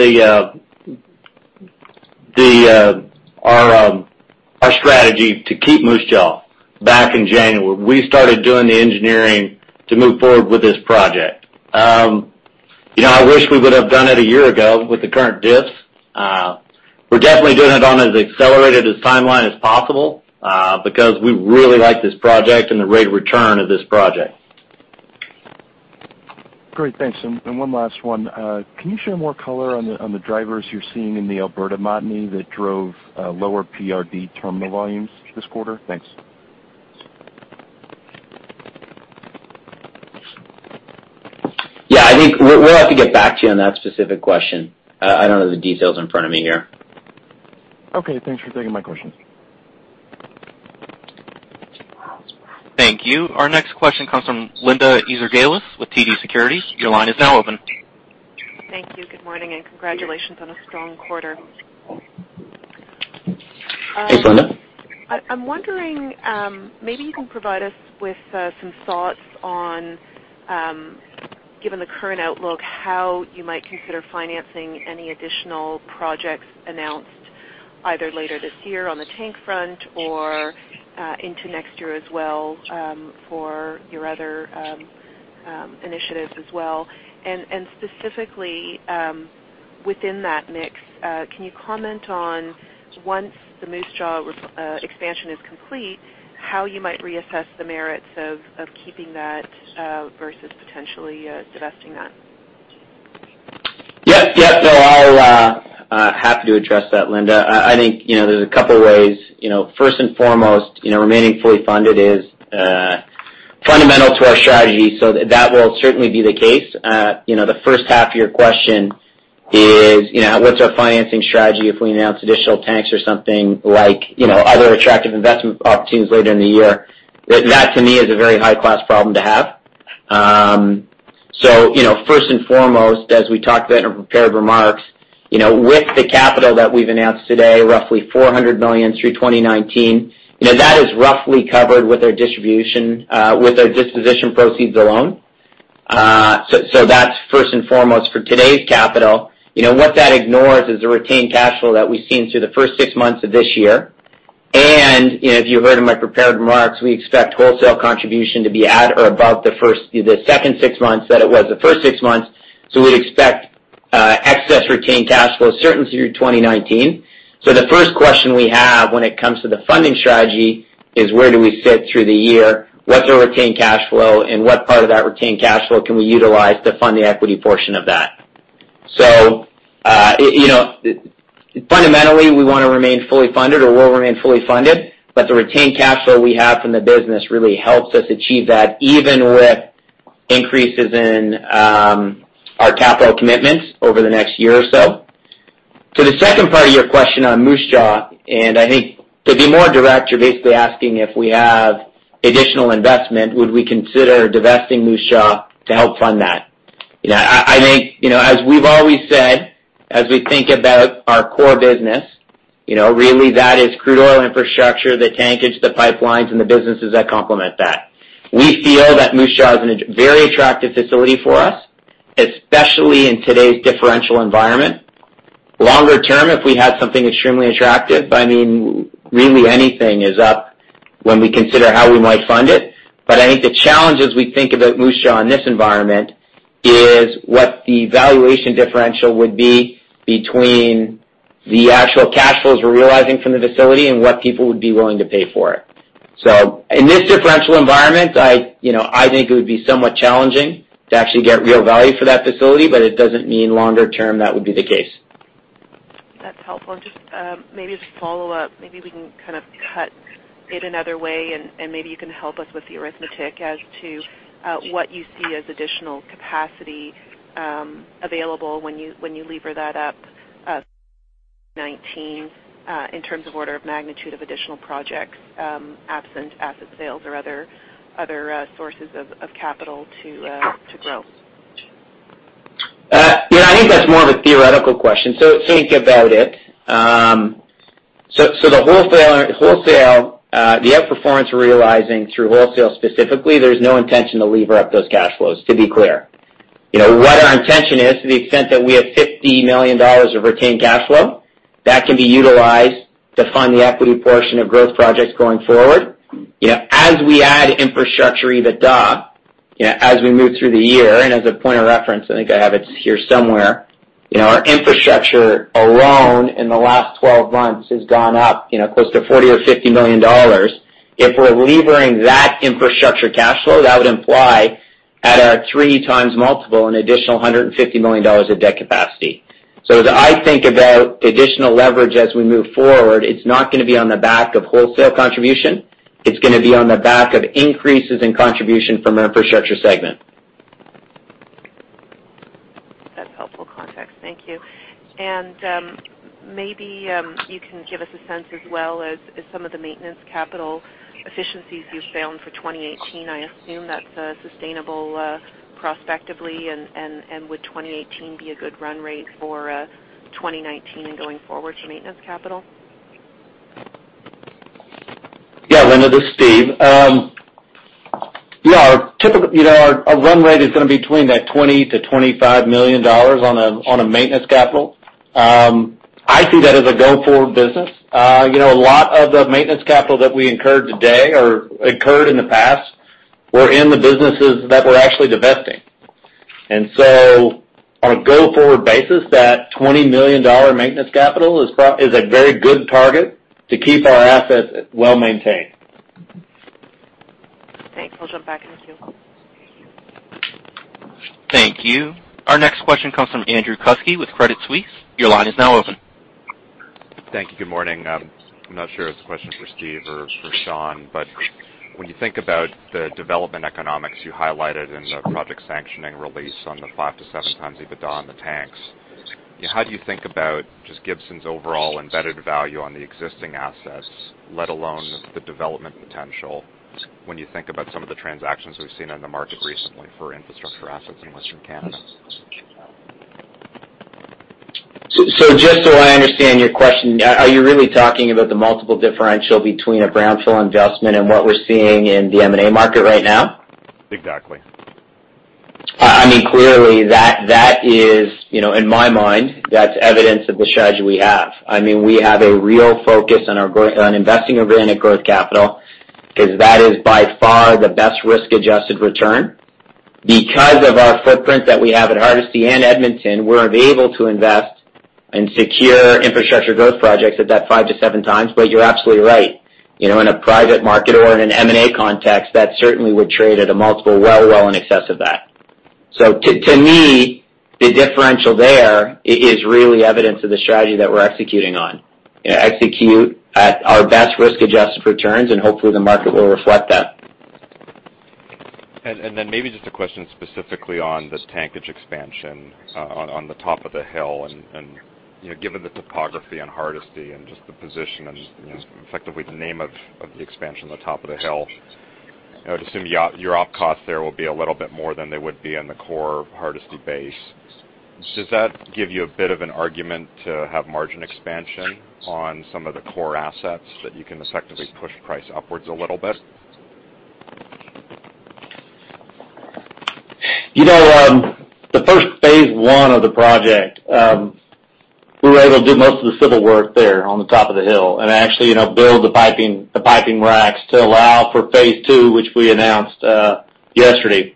our strategy to keep Moose Jaw back in January, we started doing the engineering to move forward with this project. I wish we would have done it a year ago with the current diffs. We're definitely doing it on as accelerated a timeline as possible, because we really like this project and the rate of return of this project. Great. Thanks. One last one. Can you share more color on the drivers you're seeing in the Alberta Montney that drove lower PRD terminal volumes this quarter? Thanks. Yeah, I think we'll have to get back to you on that specific question. I don't have the details in front of me here. Okay. Thanks for taking my questions. Thank you. Our next question comes from Linda Ezergailis with TD Securities. Your line is now open. Thank you. Good morning, and congratulations on a strong quarter. Hey, Linda. I'm wondering, maybe you can provide us with some thoughts on, given the current outlook, how you might consider financing any additional projects announced either later this year on the tank front or into next year as well for your other initiatives as well. Specifically within that mix, can you comment on once the Moose Jaw expansion is complete, how you might reassess the merits of keeping that versus potentially divesting that? Yes. I'll have to address that, Linda. I think there's a couple ways. First and foremost, remaining fully funded is fundamental to our strategy, so that will certainly be the case. The first half of your question is what's our financing strategy if we announce additional tanks or something like other attractive investment opportunities later in the year? That, to me, is a very high-class problem to have. First and foremost, as we talked about in our prepared remarks, with the capital that we've announced today, roughly 400 million through 2019, that is roughly covered with our disposition proceeds alone. That's first and foremost for today's capital. What that ignores is the retained cash flow that we've seen through the first six months of this year. If you heard in my prepared remarks, we expect wholesale contribution to be at or above the second six months than it was the first six months. We expect excess retained cash flow certain through 2019. The first question we have when it comes to the funding strategy is where do we sit through the year? What's our retained cash flow, and what part of that retained cash flow can we utilize to fund the equity portion of that? Fundamentally, we want to remain fully funded, or we'll remain fully funded, but the retained cash flow we have from the business really helps us achieve that, even with increases in our capital commitments over the next year or so. To the second part of your question on Moose Jaw, I think to be more direct, you're basically asking if we have additional investment, would we consider divesting Moose Jaw to help fund that? As we've always said, as we think about our core business Really, that is crude oil infrastructure, the tankage, the pipelines, and the businesses that complement that. We feel that Moose Jaw is a very attractive facility for us, especially in today's differential environment. Longer term, if we had something extremely attractive, really anything is up when we consider how we might fund it. I think the challenge as we think about Moose Jaw in this environment is what the valuation differential would be between the actual cash flows we're realizing from the facility and what people would be willing to pay for it. In this differential environment, I think it would be somewhat challenging to actually get real value for that facility, but it doesn't mean longer term that would be the case. That's helpful. Just maybe as a follow-up, maybe we can kind of cut it another way, and maybe you can help us with the arithmetic as to what you see as additional capacity available when you lever that up, 2019, in terms of order of magnitude of additional projects, absent asset sales or other sources of capital to grow. I think that's more of a theoretical question. Think about it. The out-performance we're realizing through wholesale specifically, there's no intention to lever up those cash flows, to be clear. What our intention is, to the extent that we have 50 million dollars of retained cash flow, that can be utilized to fund the equity portion of growth projects going forward. As we add infrastructure EBITDA, as we move through the year, and as a point of reference, I think I have it here somewhere, our infrastructure alone in the last 12 months has gone up close to 40 million or 50 million dollars. If we're levering that infrastructure cash flow, that would imply, at our three times multiple, an additional 150 million dollars of debt capacity. As I think about additional leverage as we move forward, it's not going to be on the back of wholesale contribution. It's going to be on the back of increases in contribution from our infrastructure segment. That's helpful context. Thank you. Maybe you can give us a sense as well as some of the maintenance capital efficiencies you found for 2018. I assume that's sustainable prospectively, and would 2018 be a good run rate for 2019 and going forward for maintenance capital? Yeah, Linda, this is Steve. Yeah, our run rate is going to be between 20 million to 25 million dollars on a maintenance capital. I see that as a go-forward business. A lot of the maintenance capital that we incurred today or incurred in the past were in the businesses that we're actually divesting. On a go-forward basis, that 20 million dollar maintenance capital is a very good target to keep our assets well-maintained. Thanks. I'll jump back in the queue. Thank you. Our next question comes from Andrew Kuske with Credit Suisse. Your line is now open. Thank you. Good morning. I'm not sure if this question is for Steve or for Sean, when you think about the development economics you highlighted in the project sanctioning release on the 5 to 7 times EBITDA on the tanks, how do you think about just Gibson's overall embedded value on the existing assets, let alone the development potential when you think about some of the transactions we've seen in the market recently for infrastructure assets in Western Canada? Just so I understand your question, are you really talking about the multiple differential between a brownfield investment and what we're seeing in the M&A market right now? Exactly. Clearly, in my mind, that's evidence of the strategy we have. We have a real focus on investing organic growth capital, because that is by far the best risk-adjusted return. Because of our footprint that we have at Hardisty and Edmonton, we're able to invest and secure infrastructure growth projects at that 5 to 7 times. You're absolutely right. In a private market or in an M&A context, that certainly would trade at a multiple well in excess of that. To me, the differential there is really evidence of the strategy that we're executing on. Execute at our best risk-adjusted returns, hopefully the market will reflect that. Maybe just a question specifically on the tankage expansion on the Top of the Hill, given the topography on Hardisty and just the position and effectively the name of the expansion, the Top of the Hill, I would assume your op cost there will be a little bit more than they would be on the core Hardisty base. Does that give you a bit of an argument to have margin expansion on some of the core assets that you can effectively push price upwards a little bit? The first phase 1 of the project, we were able to do most of the civil work there on the Top of the Hill and actually build the piping racks to allow for phase 2, which we announced yesterday.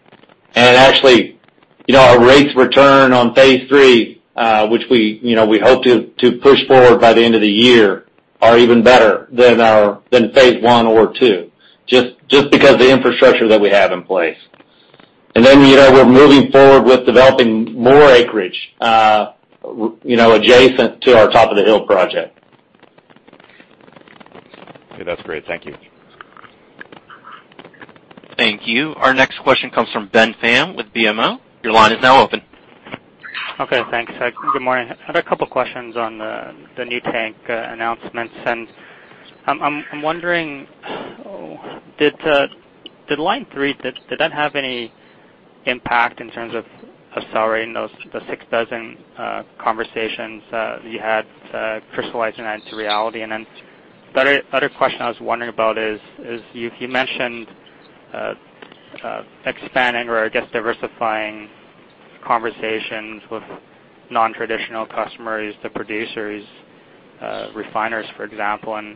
Our rates of return on phase 3, which we hope to push forward by the end of the year, are even better than phase 1 or 2, just because of the infrastructure that we have in place. We're moving forward with developing more acreage adjacent to our Top of the Hill project. Okay. That's great. Thank you. Thank you. Our next question comes from Ben Pham with BMO. Your line is now open. Okay, thanks. Good morning. I have a couple questions on the new tank announcements and I'm wondering, did Line 3, did that have any impact in terms of accelerating those six dozen conversations that you had crystallizing that into reality? The other question I was wondering about is you mentioned expanding or, I guess, diversifying conversations with non-traditional customers, the producers, refiners, for example, and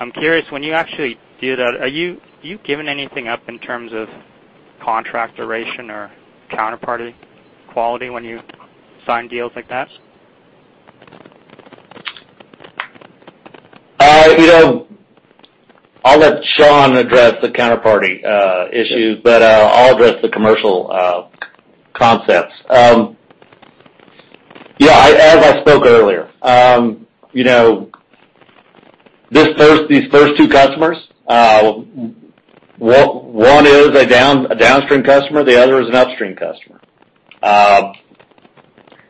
I'm curious, when you actually do that, are you giving anything up in terms of contract duration or counterparty quality when you sign deals like that? I'll let Sean address the counterparty issues, but I'll address the commercial concepts. As I spoke earlier, these first two customers, one is a downstream customer, the other is an upstream customer. Both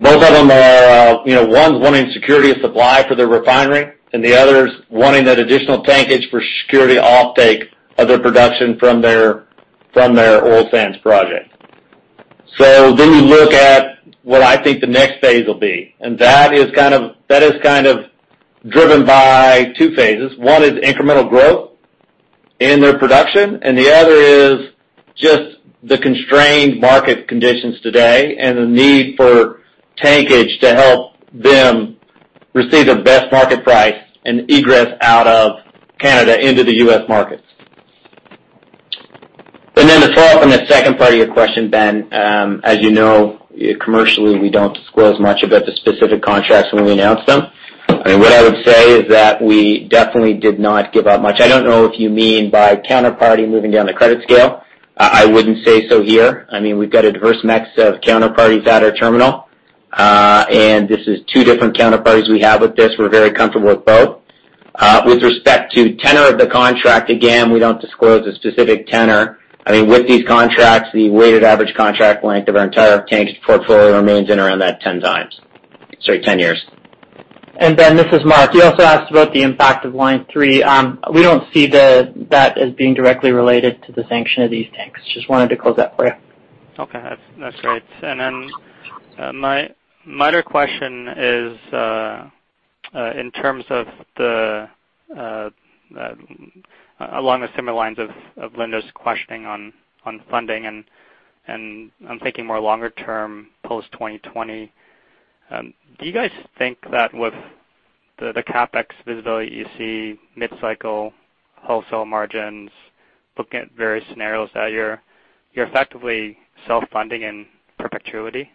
of them are. One's wanting security of supply for their refinery, and the other's wanting that additional tankage for security offtake of their production from their oil sands project. We look at what I think the next phase will be, and that is kind of driven by two phases. One is incremental growth in their production, and the other is just the constrained market conditions today and the need for tankage to help them receive the best market price and egress out of Canada into the U.S. market. To follow up on the second part of your question, Ben, as you know, commercially, we don't disclose much about the specific contracts when we announce them. What I would say is that we definitely did not give up much. I don't know if you mean by counterparty moving down the credit scale. I wouldn't say so here. We've got a diverse mix of counterparties at our terminal. This is two different counterparties we have with this. We're very comfortable with both. With respect to tenor of the contract, again, we don't disclose a specific tenor. With these contracts, the weighted average contract length of our entire tankage portfolio remains in around that 10 times. Sorry, 10 years. Ben, this is Mark. You also asked about the impact of Line 3. We don't see that as being directly related to the sanction of these tanks. Just wanted to close that for you. Okay. That's great. My other question is in terms of along the similar lines of Linda's questioning on funding, I'm thinking more longer term post 2020. Do you guys think that with the CapEx visibility you see mid-cycle wholesale margins looking at various scenarios that you're effectively self-funding in perpetuity?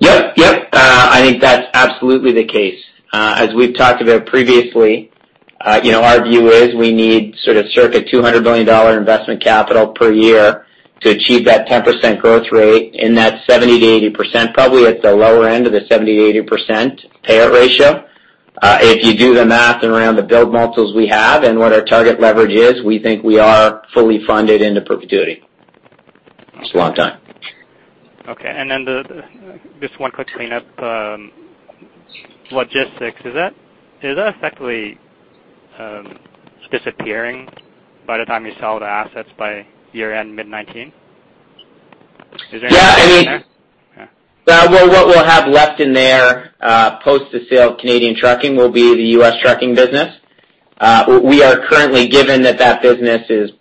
Yep. I think that's absolutely the case. As we've talked about previously, our view is we need sort of circa 200 million dollar investment capital per year to achieve that 10% growth rate in that 70%-80%, probably at the lower end of the 70%-80% payout ratio. If you do the math around the build multiples we have and what our target leverage is, we think we are fully funded into perpetuity. That's a long time. Okay, just one quick cleanup. Logistics, is that effectively disappearing by the time you sell the assets by year-end mid 2019? Is there anything there? Yeah. What we'll have left in there post the sale of Canadian trucking will be the U.S. trucking business. We are currently given that that business is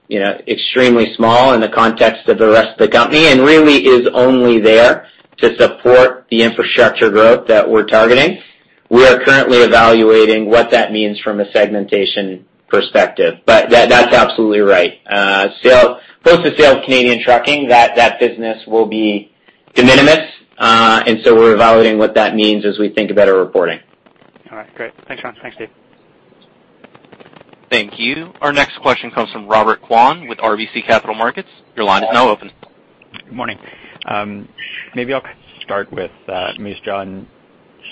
extremely small in the context of the rest of the company and really is only there to support the infrastructure growth that we're targeting. We are currently evaluating what that means from a segmentation perspective. That's absolutely right. Post the sale of Canadian trucking, that business will be de minimis. We're evaluating what that means as we think about our reporting. All right, great. Thanks, Sean. Thanks, Steve. Thank you. Our next question comes from Robert Kwan with RBC Capital Markets. Your line is now open. Good morning. Maybe I'll start with Moose Jaw,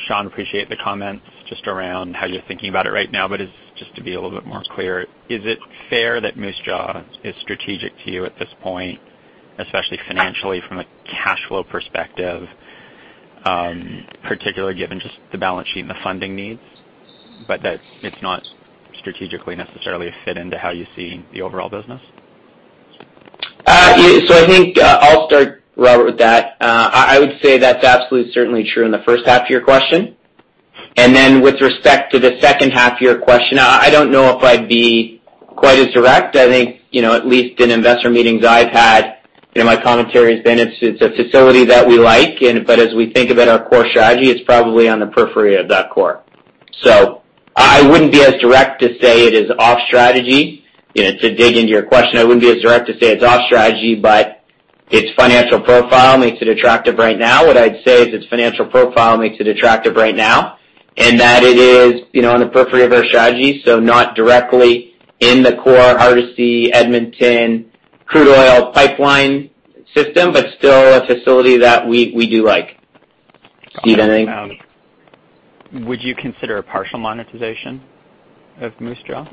Sean, appreciate the comments just around how you're thinking about it right now, just to be a little bit more clear, is it fair that Moose Jaw is strategic to you at this point, especially financially from a cash flow perspective, particularly given just the balance sheet and the funding needs, that it's not strategically necessarily a fit into how you see the overall business? I think I'll start, Robert, with that. I would say that's absolutely certainly true in the first half of your question. With respect to the second half of your question, I don't know if I'd be quite as direct. I think, at least in investor meetings I've had, my commentary has been it's a facility that we like, as we think about our core strategy, it's probably on the periphery of that core. I wouldn't be as direct to say it is off strategy. To dig into your question, I wouldn't be as direct to say it's off strategy, its financial profile makes it attractive right now. What I'd say is its financial profile makes it attractive right now, and that it is on the periphery of our strategy, so not directly in the core Hardisty, Edmonton, crude oil pipeline system, but still a facility that we do like. Steve, anything? Would you consider a partial monetization of Moose Jaw?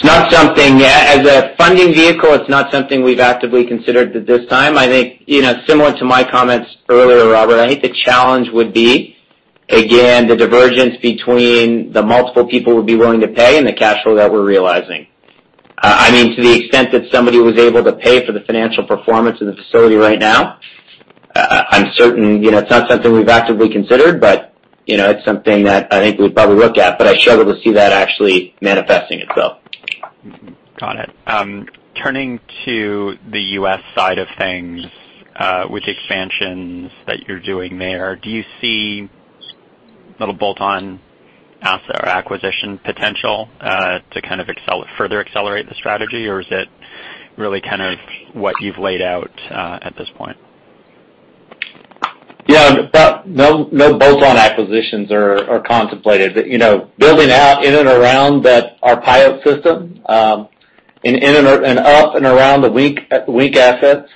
It's not something yet. As a funding vehicle, it's not something we've actively considered at this time. I think, similar to my comments earlier, Robert, I think the challenge would be, again, the divergence between the multiple people would be willing to pay and the cash flow that we're realizing. To the extent that somebody was able to pay for the financial performance of the facility right now, it's not something we've actively considered, but it's something that I think we'd probably look at, but I struggle to see that actually manifesting itself. Got it. Turning to the U.S. side of things, with expansions that you're doing there, do you see little bolt-on asset or acquisition potential, to kind of further accelerate the strategy? Or is it really kind of what you've laid out, at this point? Yeah. No bolt-on acquisitions are contemplated. Building out in and around that, our Pyote system, and in and up and around the Viking assets,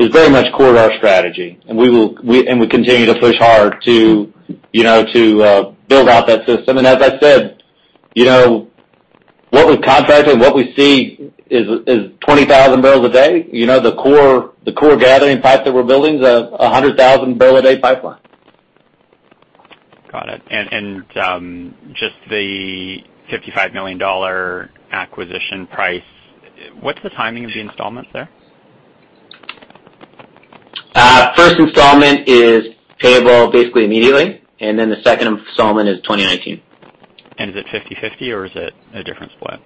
is very much core to our strategy. We continue to push hard to build out that system. As I said, what we've contracted and what we see is 20,000 barrels a day. The core gathering pipe that we're building is a 100,000-barrel a day pipeline. Got it. Just the 55 million dollar acquisition price, what's the timing of the installments there? First installment is payable basically immediately, and then the second installment is 2019. Is it 50/50, or is it a different split?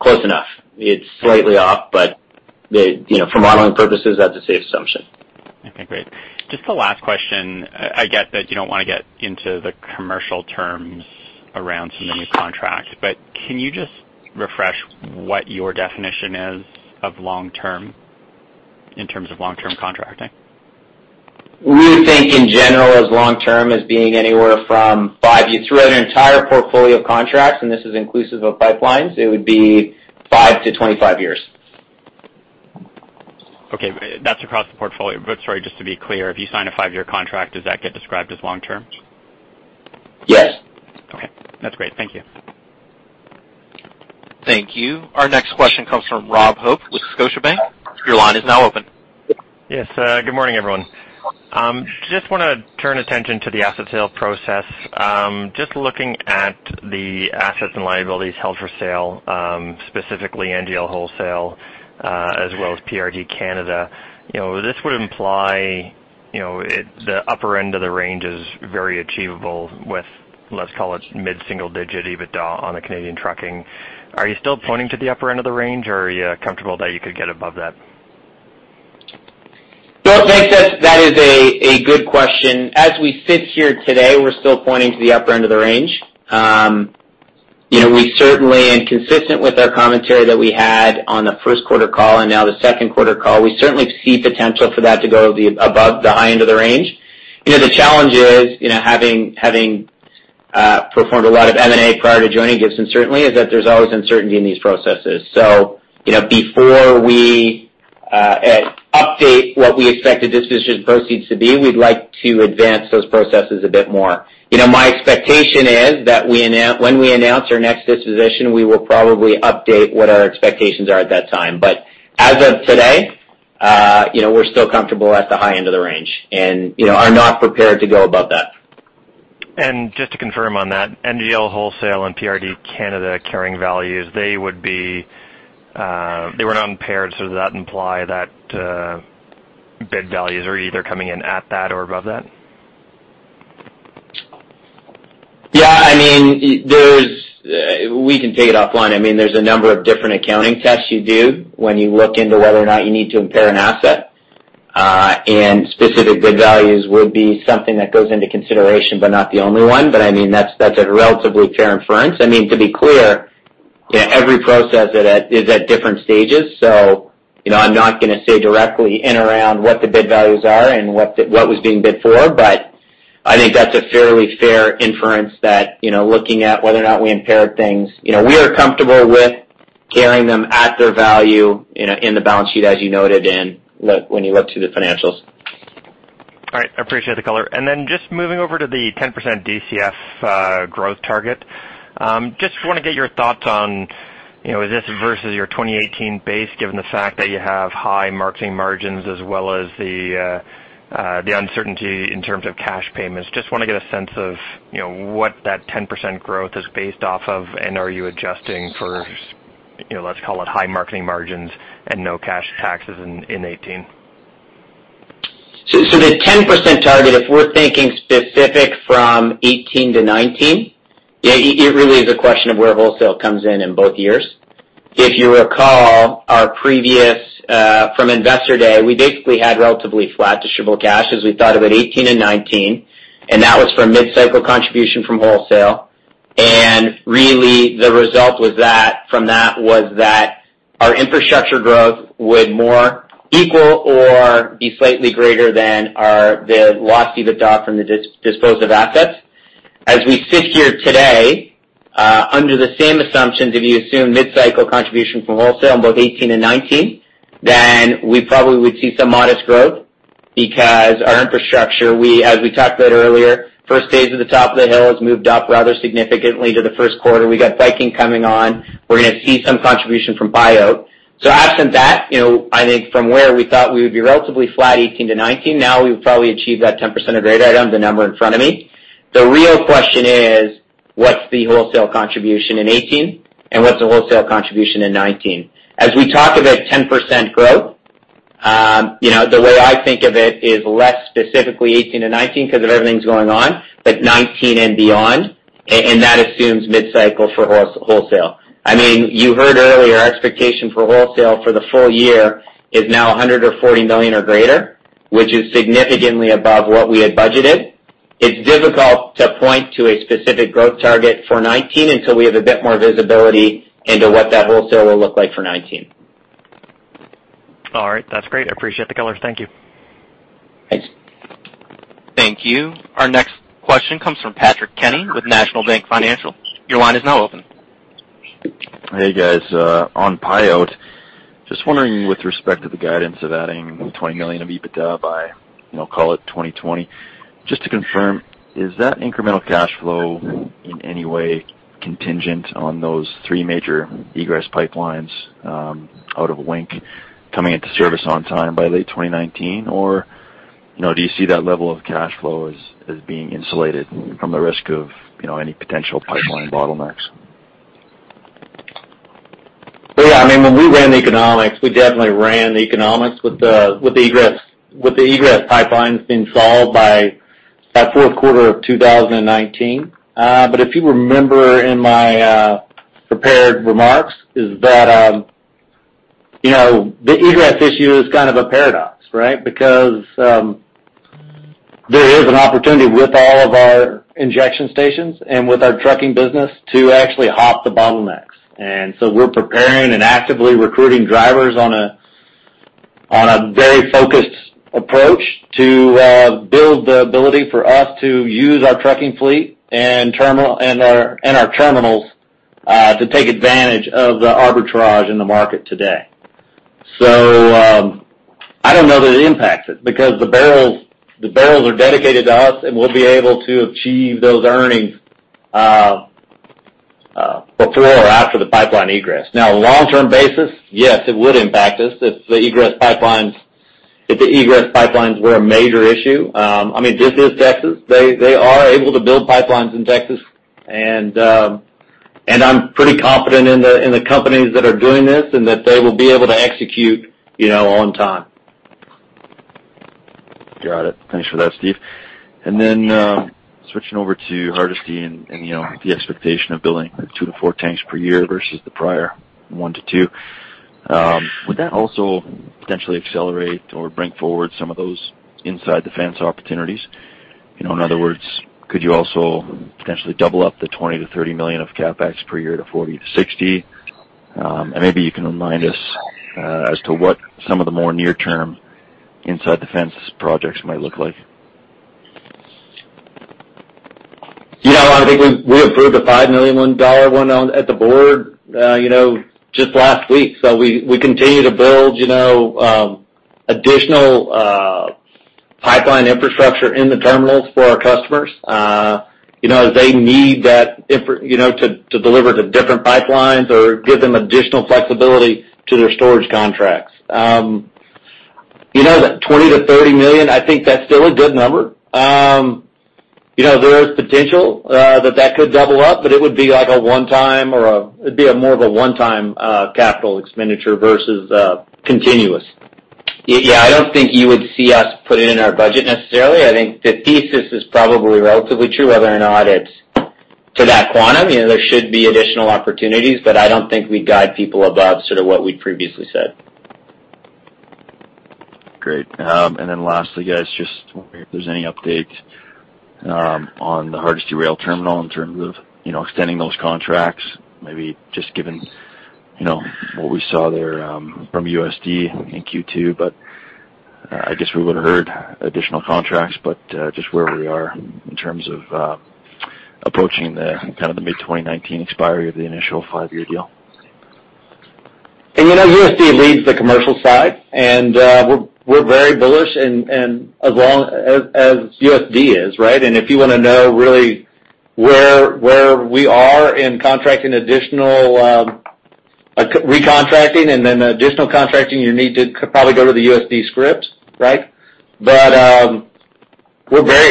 Close enough. It's slightly off, but for modeling purposes, that's a safe assumption. Okay, great. Just a last question. I get that you don't want to get into the commercial terms around some of the new contracts, can you just refresh what your definition is of long-term, in terms of long-term contracting? We would think in general as long term as being anywhere from five. Throughout an entire portfolio of contracts, this is inclusive of pipelines, it would be 5 to 25 years. Okay. That's across the portfolio. Sorry, just to be clear, if you sign a five-year contract, does that get described as long-term? Yes. Okay. That's great. Thank you. Thank you. Our next question comes from Robert Hope with Scotiabank. Your line is now open. Yes. Good morning, everyone. Just want to turn attention to the asset sale process. Just looking at the assets and liabilities held for sale, specifically NGL Wholesale, as well as PRD Canada. This would imply the upper end of the range is very achievable with, let's call it, mid-single digit EBITDA on the Canadian trucking. Are you still pointing to the upper end of the range, or are you comfortable that you could get above that? Well, thanks. That is a good question. As we sit here today, we're still pointing to the upper end of the range. We certainly, and consistent with our commentary that we had on the first quarter call and now the second quarter call, we certainly see potential for that to go above the high end of the range. The challenge is, having performed a lot of M&A prior to joining Gibson certainly, is that there's always uncertainty in these processes. Before we update what we expect the disposition proceeds to be, we'd like to advance those processes a bit more. My expectation is that when we announce our next disposition, we will probably update what our expectations are at that time. As of today, we're still comfortable at the high end of the range and are not prepared to go above that. Just to confirm on that, NGL Wholesale and PRD Canada carrying values, they were not impaired. Does that imply that bid values are either coming in at that or above that? Yeah. We can take it offline. There's a number of different accounting tests you do when you look into whether or not you need to impair an asset. Specific bid values would be something that goes into consideration, but not the only one. That's a relatively fair inference. To be clear, every process is at different stages. I'm not going to say directly in around what the bid values are and what was being bid for, but I think that's a fairly fair inference that, looking at whether or not we impaired things. We are comfortable with carrying them at their value in the balance sheet, as you noted, when you look through the financials. All right. I appreciate the color. Just moving over to the 10% DCF growth target. Just want to get your thoughts on, is this versus your 2018 base, given the fact that you have high marketing margins as well as the uncertainty in terms of cash payments. Just want to get a sense of what that 10% growth is based off of, and are you adjusting for, let's call it high marketing margins and no cash taxes in 2018. The 10% target, if we're thinking specific from 2018 to 2019, it really is a question of where wholesale comes in in both years. If you recall our previous, from Investor Day, we basically had relatively flat distributable cash as we thought about 2018 and 2019, that was from mid-cycle contribution from wholesale. Really, the result from that was that our infrastructure growth would more equal or be slightly greater than the lost EBITDA from the disposed of assets. As we sit here today, under the same assumptions, if you assume mid-cycle contribution from wholesale in both 2018 and 2019, we probably would see some modest growth Because our infrastructure, as we talked about earlier, first phase of the Top of the Hill has moved up rather significantly to the first quarter. We got Viking coming on. We're going to see some contribution from Pyote. Absent that, I think from where we thought we would be relatively flat 2018 to 2019, now we've probably achieved that 10% or greater than, the number in front of me. The real question is, what's the wholesale contribution in 2018, and what's the wholesale contribution in 2019? We talk about 10% growth, the way I think of it is less specifically 2018 and 2019 because of everything's going on, but 2019 and beyond. That assumes mid-cycle for wholesale. You heard earlier, our expectation for wholesale for the full year is now 140 million or greater, which is significantly above what we had budgeted. It's difficult to point to a specific growth target for 2019 until we have a bit more visibility into what that wholesale will look like for 2019. All right. That's great. I appreciate the color. Thank you. Thanks. Thank you. Our next question comes from Patrick Kenny with National Bank Financial. Your line is now open. Hey, guys. On Pyote, just wondering with respect to the guidance of adding 20 million of EBITDA by, call it 2020. Just to confirm, is that incremental cash flow in any way contingent on those three major egress pipelines out of Wink coming into service on time by late 2019, or do you see that level of cash flow as being insulated from the risk of any potential pipeline bottlenecks? Yeah. When we ran the economics, we definitely ran the economics with the egress pipelines being solved by fourth quarter of 2019. If you remember in my prepared remarks, the egress issue is kind of a paradox. There is an opportunity with all of our injection stations and with our trucking business to actually hop the bottlenecks. We're preparing and actively recruiting drivers on a very focused approach to build the ability for us to use our trucking fleet and our terminals to take advantage of the arbitrage in the market today. I don't know that it impacts it, because the barrels are dedicated to us, and we'll be able to achieve those earnings before or after the pipeline egress. Long-term basis, yes, it would impact us if the egress pipelines were a major issue. This is Texas. They are able to build pipelines in Texas, I'm pretty confident in the companies that are doing this, that they will be able to execute on time. Got it. Thanks for that, Steve. Switching over to Hardisty and the expectation of building 2 to 4 tanks per year versus the prior 1 to 2. Would that also potentially accelerate or bring forward some of those inside the fence opportunities? In other words, could you also potentially double up the 20 million-30 million of CapEx per year to 40-60? Maybe you can remind us as to what some of the more near-term inside the fence projects might look like. I think we approved a 5 million dollar one at the board just last week. We continue to build additional pipeline infrastructure in the terminals for our customers. As they need that to deliver to different pipelines or give them additional flexibility to their storage contracts. That 20 million-30 million, I think that's still a good number. There is potential that that could double up, but it would be more of a one-time capital expenditure versus continuous. Yeah, I don't think you would see us put it in our budget necessarily. I think the thesis is probably relatively true, whether or not it's to that quantum. There should be additional opportunities. I don't think we guide people above sort of what we previously said. Great. Lastly, guys, just wondering if there's any update on the Hardisty rail terminal in terms of extending those contracts, maybe just given what we saw there from USD in Q2. I guess we would've heard additional contracts, just where we are in terms of approaching the mid-2019 expiry of the initial five-year deal. USD leads the commercial side. We're very bullish as USD is. If you want to know really where we are in recontracting and then additional contracting, you need to probably go to the USD script. We're very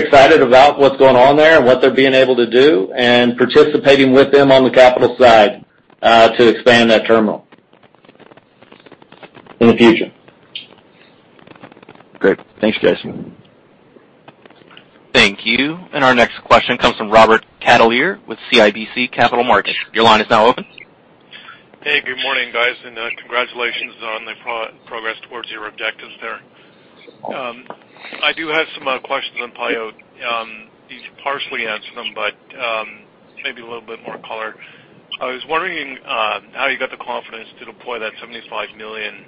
excited about what's going on there and what they're being able to do and participating with them on the capital side to expand that terminal in the future. Great. Thanks, guys. Thank you. Our next question comes from Robert Catellier with CIBC Capital Markets. Your line is now open. Hey, good morning, guys, congratulations on the progress towards your objectives there. I do have some questions on Pyote. You partially answered them, but maybe a little bit more color. I was wondering how you got the confidence to deploy that CAD 75 million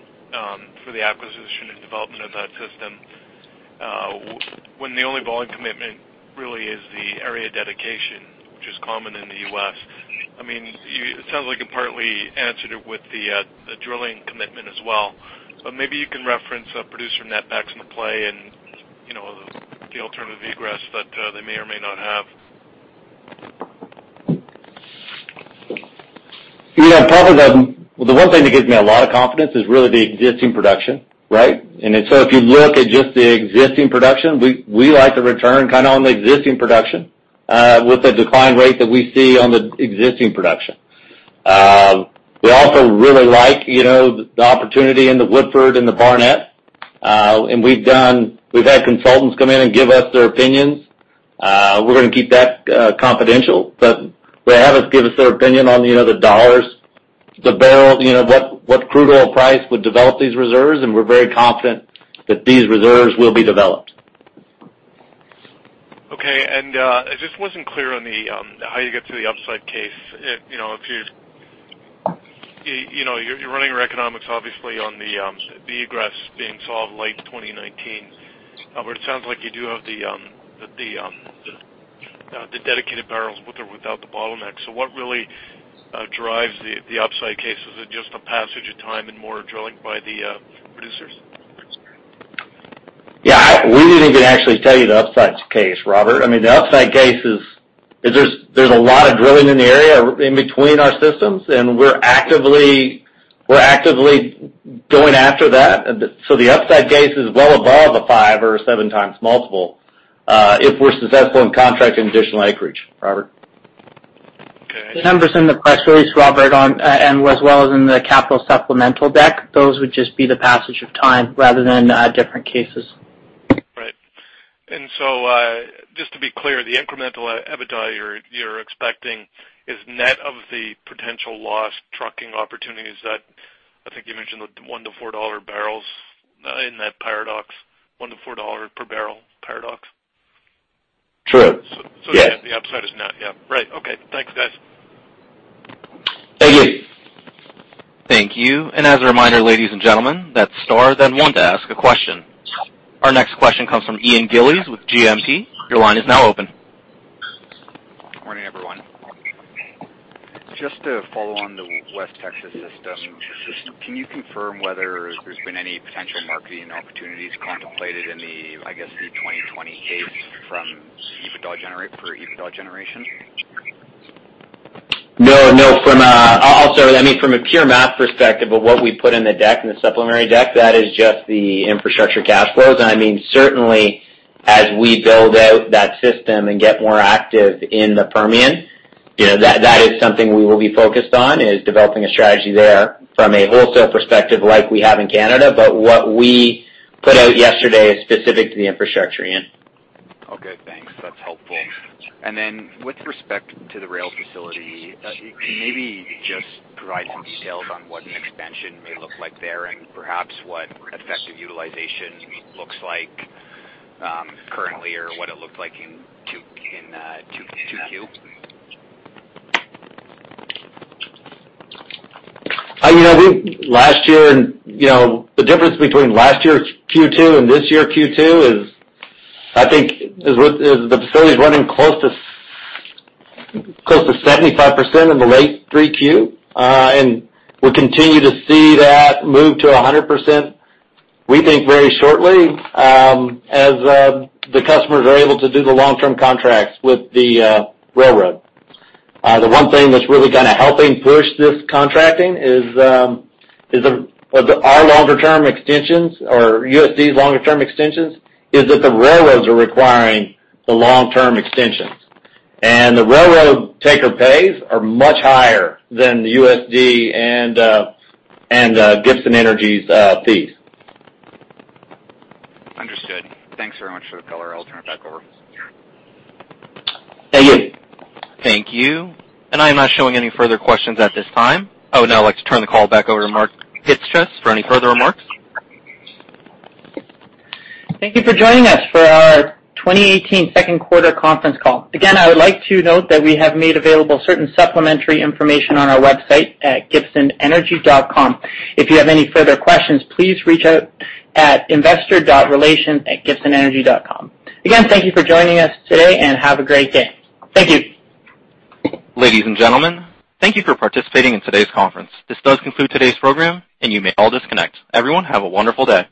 for the acquisition and development of that system when the only volume commitment really is the area dedication, which is common in the U.S. It sounds like it partly answered it with the drilling commitment as well. Maybe you can reference producer netbacks in the play and the alternative egress that they may or may not have. Probably the one thing that gives me a lot of confidence is really the existing production. Right? If you look at just the existing production, we like the return on the existing production, with the decline rate that we see on the existing production. We also really like the opportunity in the Woodford and the Barnett. We've had consultants come in and give us their opinions. We're going to keep that confidential. They have give us their opinion on the dollars, the barrel, what crude oil price would develop these reserves, and we're very confident that these reserves will be developed. Okay. I just wasn't clear on how you get to the upside case. You're running your economics obviously on the egress being solved late 2019. Robert, it sounds like you do have the dedicated barrels with or without the bottleneck. What really drives the upside case? Is it just a passage of time and more drilling by the producers? Yeah. We didn't even actually tell you the upside case, Robert. The upside case is there's a lot of drilling in the area in between our systems, and we're actively going after that. The upside case is well above a five or seven times multiple, if we're successful in contracting additional acreage, Robert. Okay. The numbers in the press release, Robert, and as well as in the capital supplemental deck, those would just be the passage of time rather than different cases. Right. Just to be clear, the incremental EBITDA you're expecting is net of the potential lost trucking opportunities that I think you mentioned, the 1-4 dollar barrels in that paradox, 1-4 dollar per barrel paradox. True. Yeah. The upside is net, yeah. Right. Okay. Thanks, guys. Thank you. Thank you. As a reminder, ladies and gentlemen, that's star then one to ask a question. Our next question comes from Ian Gillies with GMP Capital. Your line is now open. Morning, everyone. Just to follow on the West Texas system, can you confirm whether there's been any potential marketing opportunities contemplated in the, I guess, the 2020 case for EBITDA generation? No. From a pure math perspective of what we put in the deck, in the supplementary deck, that is just the infrastructure cash flows. Certainly, as we build out that system and get more active in the Permian, that is something we will be focused on, is developing a strategy there from a wholesale perspective like we have in Canada. What we put out yesterday is specific to the infrastructure, Ian. Okay, thanks. That's helpful. With respect to the rail facility, can you maybe just provide some details on what an expansion may look like there, and perhaps what effective utilization looks like currently or what it looked like in 2Q? The difference between last year's Q2 and this year's Q2 is, I think, the facility's running close to 75% in the late 3Q. We continue to see that move to 100%, we think, very shortly, as the customers are able to do the long-term contracts with the railroad. The one thing that's really kind of helping push this contracting is our longer-term extensions or USD's longer-term extensions, is that the railroads are requiring the long-term extensions. The railroad taker pays are much higher than the USD and Gibson Energy's fees. Understood. Thanks very much for the color. I'll turn it back over. Thank you. Thank you. I'm not showing any further questions at this time. I would now like to turn the call back over to Mark Chyc-Cies for any further remarks. Thank you for joining us for our 2018 second quarter conference call. Again, I would like to note that we have made available certain supplementary information on our website at gibsonenergy.com. If you have any further questions, please reach out at investor.relations@gibsonenergy.com. Again, thank you for joining us today, and have a great day. Thank you. Ladies and gentlemen, thank you for participating in today's conference. This does conclude today's program, and you may all disconnect. Everyone, have a wonderful day.